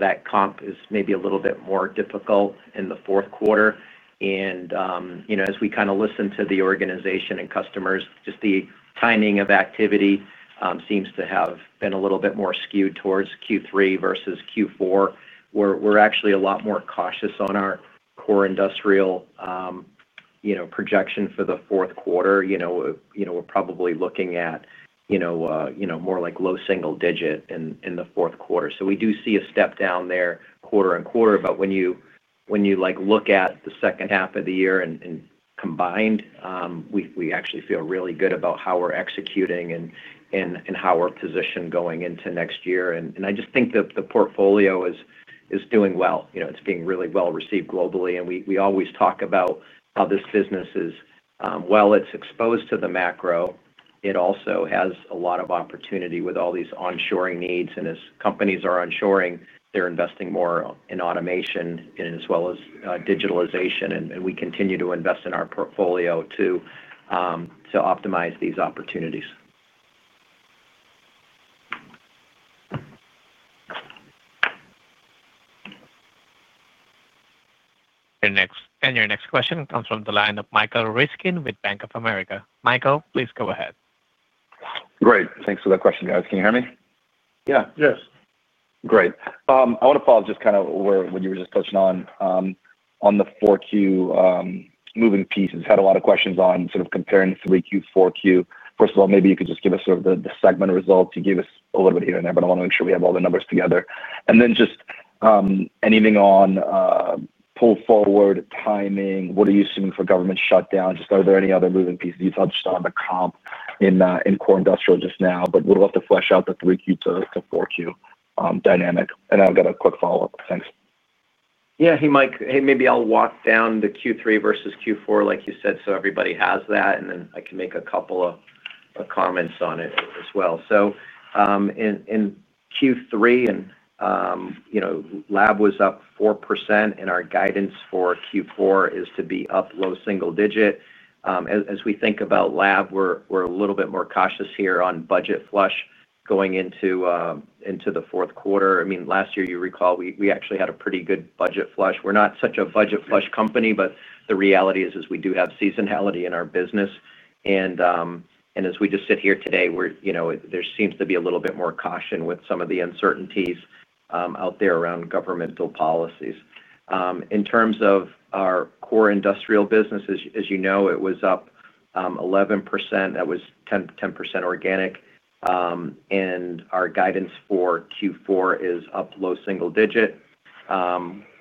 That comp is maybe a little bit more difficult in the fourth quarter. As we kind of listen to the organization and customers, just the timing of activity seems to have been a little bit more skewed towards Q3 versus Q4. We are actually a lot more cautious on our core industrial projection for the fourth quarter. We are probably looking at more like low single digit in the fourth quarter. We do see a step down there quarter-on-quarter. When you look at the second half of the year and combined, we actually feel really good about how we are executing and how we are positioned going into next year. I just think the portfolio is doing well. It is being really well received globally. We always talk about how this business is, while it's exposed to the macro, it also has a lot of opportunity with all these onshoring needs. As companies are onshoring, they're investing more in automation as well as digitalization. We continue to invest in our portfolio to optimize these opportunities. Your next question comes from the line of Michael Ryskin with Bank of America. Michael, please go ahead. Great. Thanks for that question, guys. Can you hear me? Yeah. Yes. Great. I want to follow just kind of where you were just touching on. On the 4Q moving piece, we've had a lot of questions on sort of comparing 3Q, 4Q. First of all, maybe you could just give us sort of the segment results to give us a little bit of hearing there, but I want to make sure we have all the numbers together. Then just anything on pull forward timing, what are you seeing for government shutdown? Are there any other moving pieces? You touched on the comp in core industrial just now, but we'll have to flesh out the 3Q to 4Q dynamic. I've got a quick follow-up. Thanks. Yeah. Hey, Mike. Hey, maybe I'll walk down the Q3 versus Q4, like you said, so everybody has that. I can make a couple of comments on it as well. In Q3, lab was up 4%. Our guidance for Q4 is to be up low single digit. As we think about lab, we're a little bit more cautious here on budget flush going into the fourth quarter. I mean, last year, you recall, we actually had a pretty good budget flush. We're not such a budget flush company, but the reality is we do have seasonality in our business. As we just sit here today, there seems to be a little bit more caution with some of the uncertainties out there around governmental policies. In terms of our core Industrial business, as you know, it was up 11%. That was 10% organic. Our guidance for Q4 is up low single digit.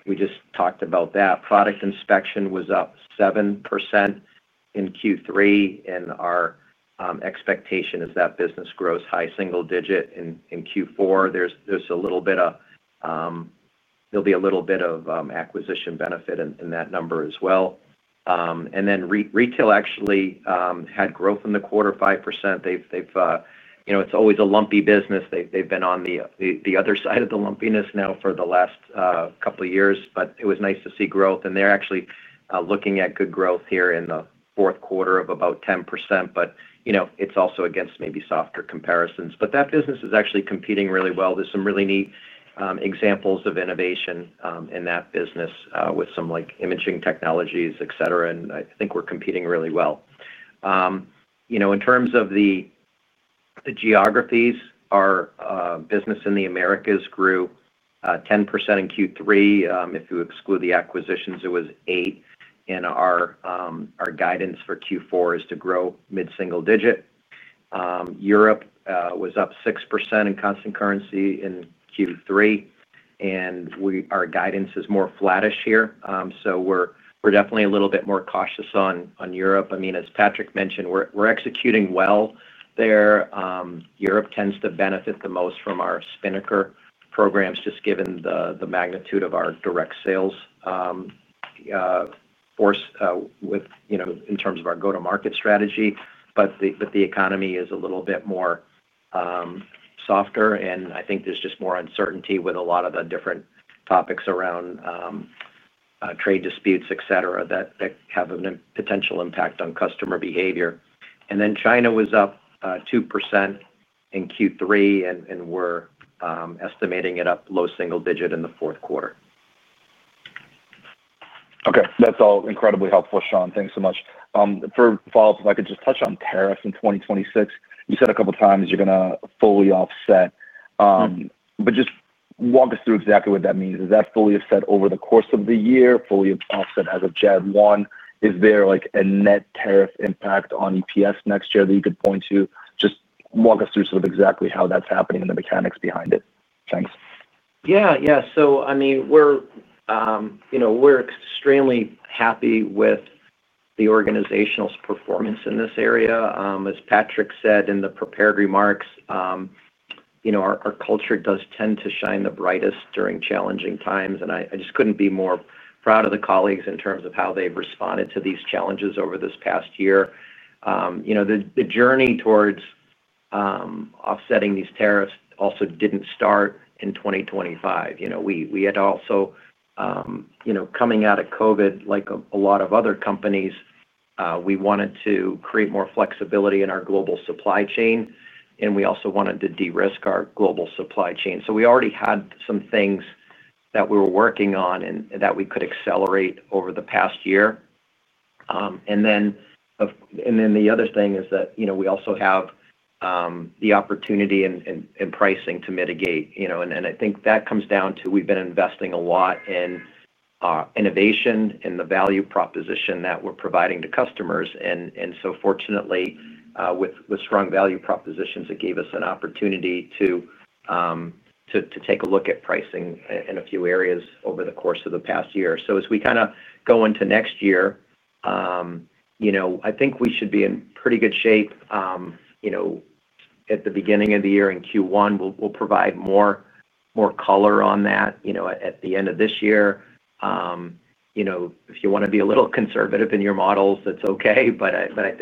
We just talked about that. Product Inspection was up 7% in Q3. Our expectation is that business grows high single digit in Q4. There will be a little bit of acquisition benefit in that number as well. Retail actually had growth in the quarter, 5%. It is always a lumpy business. They have been on the other side of the lumpiness now for the last couple of years. It was nice to see growth. They are actually looking at good growth here in the fourth quarter of about 10%. It is also against maybe softer comparisons. That business is actually competing really well. There are some really neat examples of innovation in that business with some imaging technologies, etc. I think we are competing really well. In terms of the geographies, our business in the Americas grew 10% in Q3. If you exclude the acquisitions, it was 8%. Our guidance for Q4 is to grow mid-single digit. Europe was up 6% in constant currency in Q3. Our guidance is more flattish here. We're definitely a little bit more cautious on Europe. I mean, as Patrick mentioned, we're executing well there. Europe tends to benefit the most from our Spinnaker programs just given the magnitude of our direct sales force in terms of our go-to-market strategy. The economy is a little bit more softer. I think there's just more uncertainty with a lot of the different topics around trade disputes, etc., that have a potential impact on customer behavior. China was up 2% in Q3. We're estimating it up low single digit in the fourth quarter. Okay. That's all incredibly helpful, Shawn. Thanks so much. For follow-up, if I could just touch on tariffs in 2026. You said a couple of times you're going to fully offset. Just walk us through exactly what that means. Is that fully offset over the course of the year, fully offset as of Gen 1? Is there a net tariff impact on EPS next year that you could point to? Just walk us through sort of exactly how that's happening and the mechanics behind it. Thanks. Yeah. Yeah. I mean, we're extremely happy with the organizational performance in this area. As Patrick said in the prepared remarks, our culture does tend to shine the brightest during challenging times. I just could not be more proud of the colleagues in terms of how they've responded to these challenges over this past year. The journey towards offsetting these tariffs also did not start in 2025. We had also, coming out of COVID, like a lot of other companies, wanted to create more flexibility in our global supply chain. We also wanted to de-risk our global supply chain. We already had some things that we were working on and that we could accelerate over the past year. The other thing is that we also have the opportunity in pricing to mitigate. I think that comes down to we've been investing a lot in innovation and the value proposition that we're providing to customers. Fortunately, with strong value propositions, it gave us an opportunity to take a look at pricing in a few areas over the course of the past year. As we kind of go into next year, I think we should be in pretty good shape. At the beginning of the year in Q1, we'll provide more color on that at the end of this year. If you want to be a little conservative in your models, that's okay. I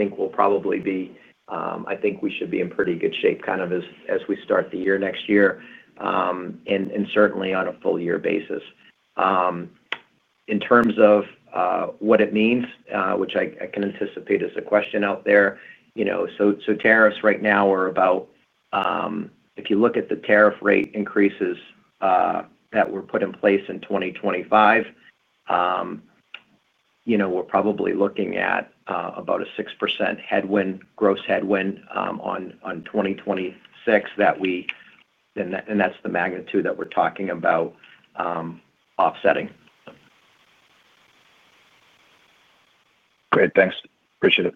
think we should be in pretty good shape kind of as we start the year next year and certainly on a full-year basis. In terms of what it means, which I can anticipate is a question out there. Tariffs right now are about, if you look at the tariff rate increases that were put in place in 2025, we're probably looking at about a 6% gross headwind on 2026. That's the magnitude that we're talking about offsetting. Great. Thanks. Appreciate it.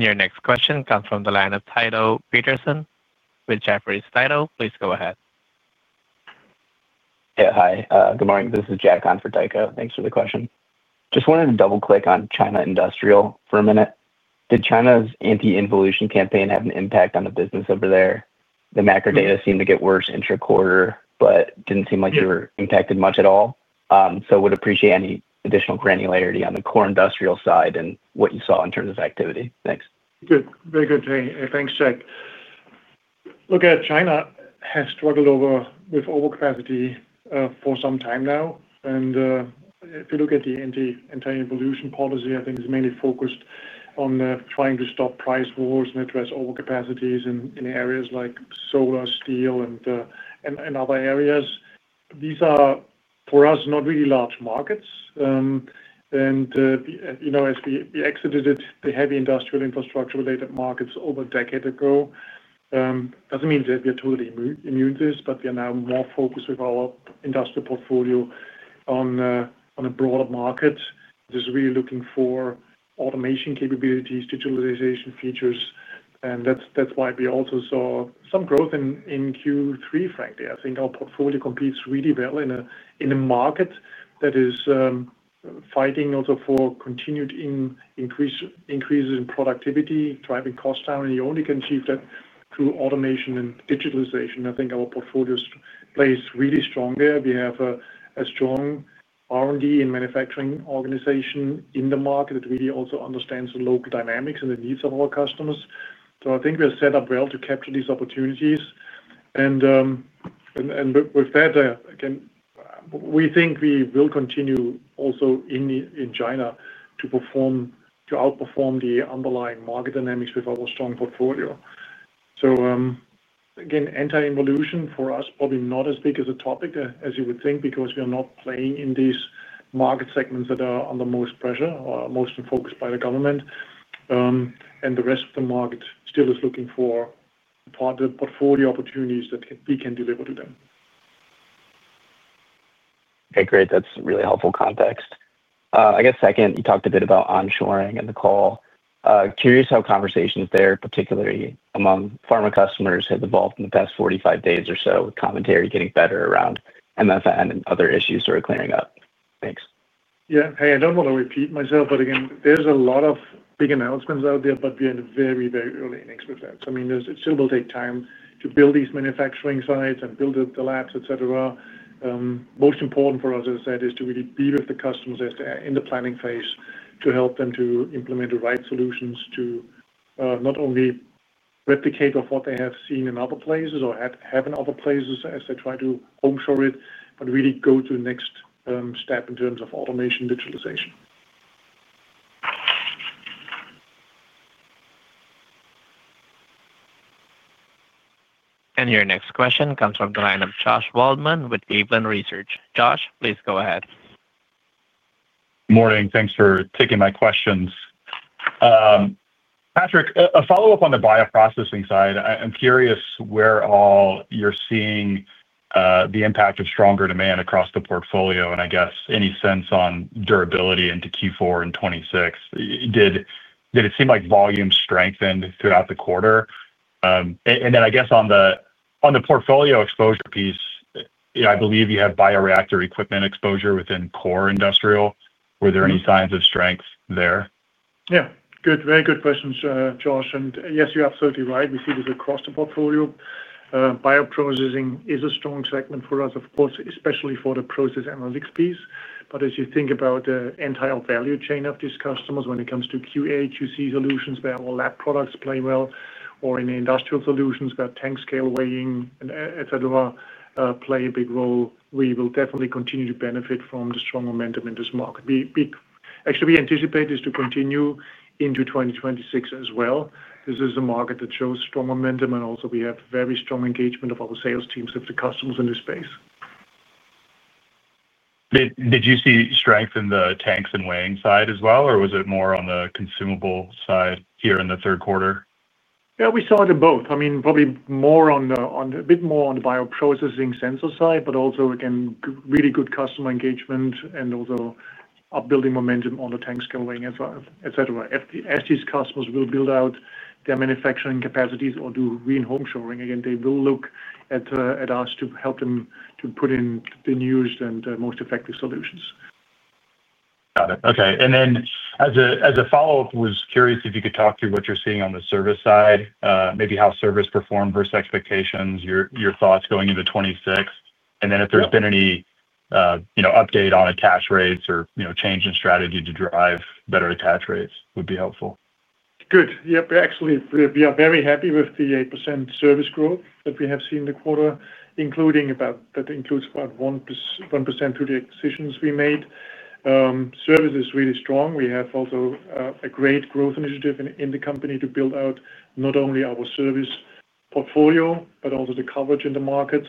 Your next question comes from the line of Tycho Peterson with Jefferies. Please go ahead. Yeah. Hi. Good morning. This is Jack on for Tycho. Thanks for the question. Just wanted to double-click on China industrial for a minute. Did China's anti-involution campaign have an impact on the business over there? The macro data seemed to get worse intra-quarter, but did not seem like you were impacted much at all. Would appreciate any additional granularity on the core industrial side and what you saw in terms of activity. Thanks. Good. Very good. Thanks, Jack. Look, China has struggled with overcapacity for some time now. If you look at the anti-involution policy, I think it's mainly focused on trying to stop price wars and address overcapacities in areas like solar, steel, and other areas. These are, for us, not really large markets. As we exited the heavy industrial infrastructure-related markets over a decade ago, it doesn't mean that we are totally immune to this, but we are now more focused with our industrial portfolio on a broader market. This is really looking for automation capabilities, digitalization features. That's why we also saw some growth in Q3, frankly. I think our portfolio competes really well in a market that is fighting also for continued increases in productivity, driving costs down. You only can achieve that through automation and digitalization. I think our portfolio plays really strong there. We have a strong R&D and manufacturing organization in the market that really also understands the local dynamics and the needs of our customers. I think we are set up well to capture these opportunities. With that, again, we think we will continue also in China to outperform the underlying market dynamics with our strong portfolio. Again, anti-involution for us, probably not as big as a topic as you would think because we are not playing in these market segments that are under most pressure or most focused by the government. The rest of the market still is looking for the portfolio opportunities that we can deliver to them. Okay. Great. That's really helpful context. I guess second, you talked a bit about onshoring in the call. Curious how conversations there, particularly among pharma customers, have evolved in the past 45 days or so with commentary getting better around MFN and other issues that are clearing up. Thanks. Yeah. Hey, I do not want to repeat myself, but again, there is a lot of big announcements out there, but we are in the very, very early innings with that. I mean, it still will take time to build these manufacturing sites and build up the labs, etc. Most important for us, as I said, is to really be with the customers in the planning phase to help them to implement the right solutions to not only replicate what they have seen in other places or have in other places as they try to onshore it, but really go to the next step in terms of automation digitalization. Your next question comes from the line of Josh Waldman with Cleveland Research. Josh, please go ahead. Morning. Thanks for taking my questions. Patrick, a follow-up on the bioprocessing side. I'm curious where all you're seeing the impact of stronger demand across the portfolio, and I guess any sense on durability into Q4 and 2026. Did it seem like volume strengthened throughout the quarter? I guess on the portfolio exposure piece, I believe you have bioreactor equipment exposure within core industrial. Were there any signs of strength there? Yeah. Good. Very good questions, Josh. Yes, you're absolutely right. We see this across the portfolio. Bioprocessing is a strong segment for us, of course, especially for the process analytics piece. As you think about the entire value chain of these customers when it comes to QA, QC solutions where our lab products play well, or in industrial solutions where tank scale weighing, etc., play a big role, we will definitely continue to benefit from the strong momentum in this market. Actually, we anticipate this to continue into 2026 as well. This is a market that shows strong momentum. Also, we have very strong engagement of our sales teams with the customers in this space. Did you see strength in the tanks and weighing side as well, or was it more on the consumable side here in the third quarter? Yeah, we saw it in both. I mean, probably a bit more on the bioprocessing sensor side, but also again, really good customer engagement and also upbuilding momentum on the tank scale weighing, etc. As these customers will build out their manufacturing capacities or do rein onshoring, again, they will look at us to help them to put in the newest and most effective solutions. Got it. Okay. As a follow-up, I was curious if you could talk to what you're seeing on the service side, maybe how service performed versus expectations, your thoughts going into 2026. If there's been any update on attach rates or change in strategy to drive better attach rates, that would be helpful. Good. Yep. Actually, we are very happy with the 8% service growth that we have seen in the quarter, that includes about 1% through the acquisitions we made. Service is really strong. We have also a great growth initiative in the company to build out not only our service portfolio, but also the coverage in the markets.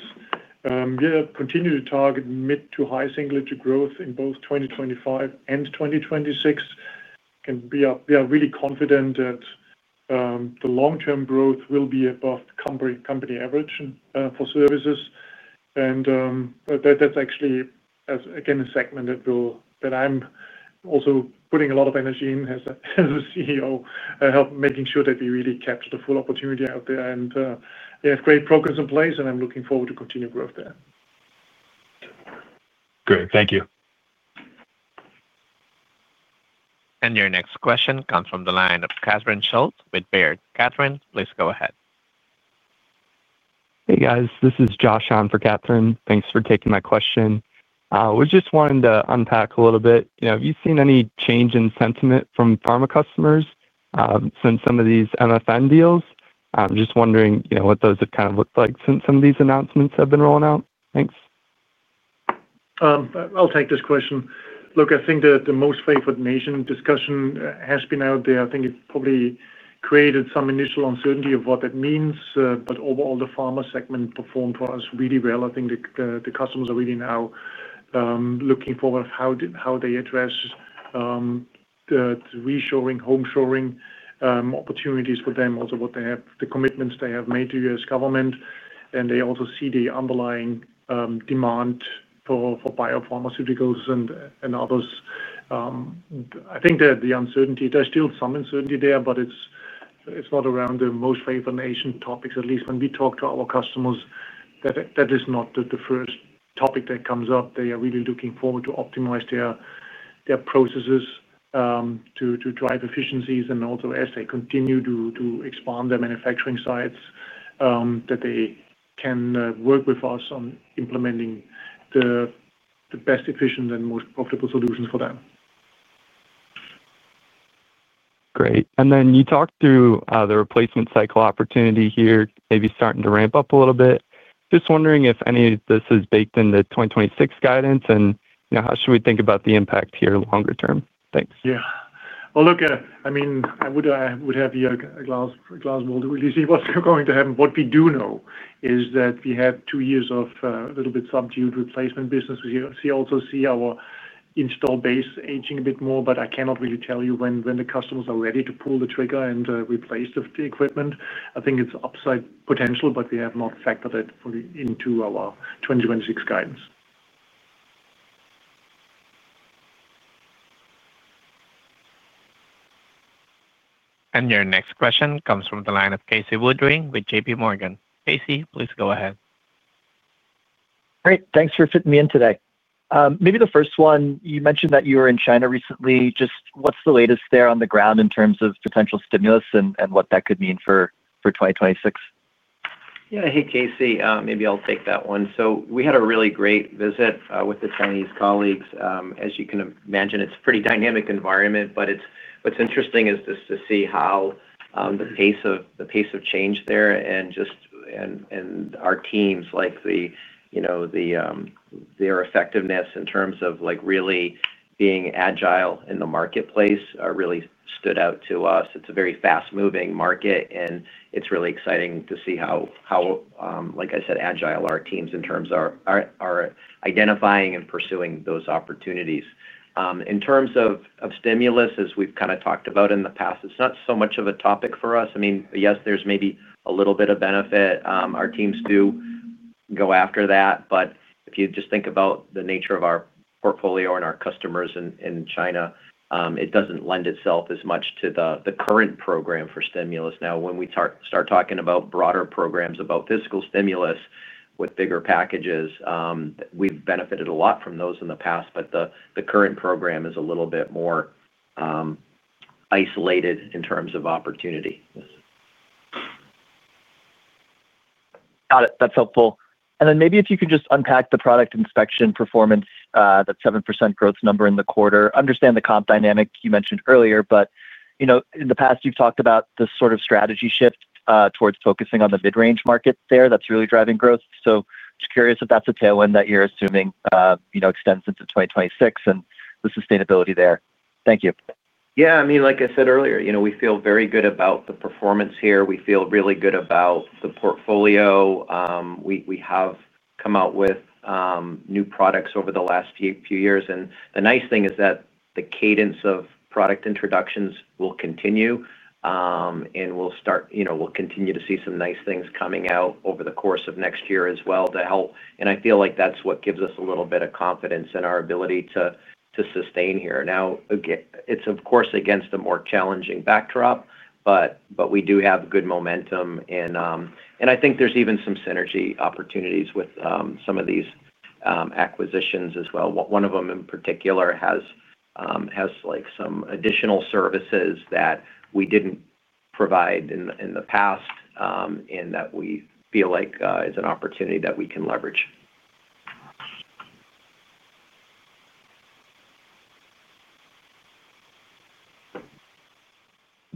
We have continued to target mid to high single-digit growth in both 2025 and 2026. We are really confident that the long-term growth will be above company average for services. That is actually, again, a segment that I'm also putting a lot of energy in as CEO, making sure that we really capture the full opportunity out there. We have great progress in place, and I'm looking forward to continued growth there. Great. Thank you. Your next question comes from the line of Catherine Schulte with Baird. Catherine, please go ahead. Hey, guys. This is Josh on for Catherine. Thanks for taking my question. We just wanted to unpack a little bit. Have you seen any change in sentiment from pharma customers since some of these MFN deals? Just wondering what those have kind of looked like since some of these announcements have been rolling out. Thanks. I'll take this question. Look, I think that the most favored nation discussion has been out there. I think it probably created some initial uncertainty of what that means. Overall, the pharma segment performed for us really well. I think the customers are really now looking forward to how they address the reshoring, onshoring opportunities for them, also what they have, the commitments they have made to the U.S. government. They also see the underlying demand for biopharmaceuticals and others. I think that the uncertainty, there's still some uncertainty there, but it's not around the most favored nation topics. At least when we talk to our customers, that is not the first topic that comes up. They are really looking forward to optimize their processes to drive efficiencies and also as they continue to expand their manufacturing sites that they can work with us on implementing the best, efficient, and most profitable solutions for them. Great. You talked through the replacement cycle opportunity here, maybe starting to ramp up a little bit. Just wondering if any of this is baked in the 2026 guidance and how should we think about the impact here longer term? Thanks. Yeah. Look, I mean, I would have a glass ball to really see what's going to happen. What we do know is that we have two years of a little bit subdued replacement business. We also see our install base aging a bit more, but I cannot really tell you when the customers are ready to pull the trigger and replace the equipment. I think it's upside potential, but we have not factored that fully into our 2026 guidance. Your next question comes from the line of Casey Woodring with JPMorgan. Casey, please go ahead. Great. Thanks for fitting me in today. Maybe the first one, you mentioned that you were in China recently. Just what's the latest there on the ground in terms of potential stimulus and what that could mean for 2026? Yeah. Hey, Casey, maybe I'll take that one. We had a really great visit with the Chinese colleagues. As you can imagine, it's a pretty dynamic environment, but what's interesting is just to see how the pace of change there and our teams, like their effectiveness in terms of really being agile in the marketplace, really stood out to us. It's a very fast-moving market, and it's really exciting to see how, like I said, agile our teams are in terms of identifying and pursuing those opportunities. In terms of stimulus, as we've kind of talked about in the past, it's not so much of a topic for us. I mean, yes, there's maybe a little bit of benefit. Our teams do go after that. If you just think about the nature of our portfolio and our customers in China, it does not lend itself as much to the current program for stimulus. Now, when we start talking about broader programs about physical stimulus with bigger packages, we have benefited a lot from those in the past, but the current program is a little bit more isolated in terms of opportunity. Got it. That is helpful. And then maybe if you could just unpack the product inspection performance, that 7% growth number in the quarter. I understand the comp dynamic you mentioned earlier, but in the past, you have talked about this sort of strategy shift towards focusing on the mid-range market there. That is really driving growth. Just curious if that is a tailwind that you are assuming extends into 2026 and the sustainability there. Thank you. Yeah. I mean, like I said earlier, we feel very good about the performance here. We feel really good about the portfolio. We have come out with new products over the last few years. The nice thing is that the cadence of product introductions will continue, and we'll continue to see some nice things coming out over the course of next year as well to help. I feel like that's what gives us a little bit of confidence in our ability to sustain here. Now, it's, of course, against a more challenging backdrop, but we do have good momentum. I think there's even some synergy opportunities with some of these acquisitions as well. One of them in particular has some additional services that we did not provide in the past and that we feel like is an opportunity that we can leverage.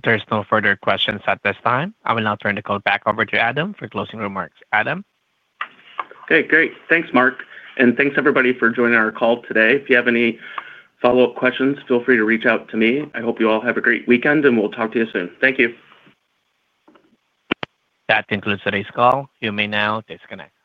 There's no further questions at this time. I will now turn the call back over to Adam for closing remarks. Adam. Okay. Great. Thanks, Mark. Thanks, everybody, for joining our call today. If you have any follow-up questions, feel free to reach out to me. I hope you all have a great weekend, and we'll talk to you soon. Thank you. That concludes today's call. You may now disconnect.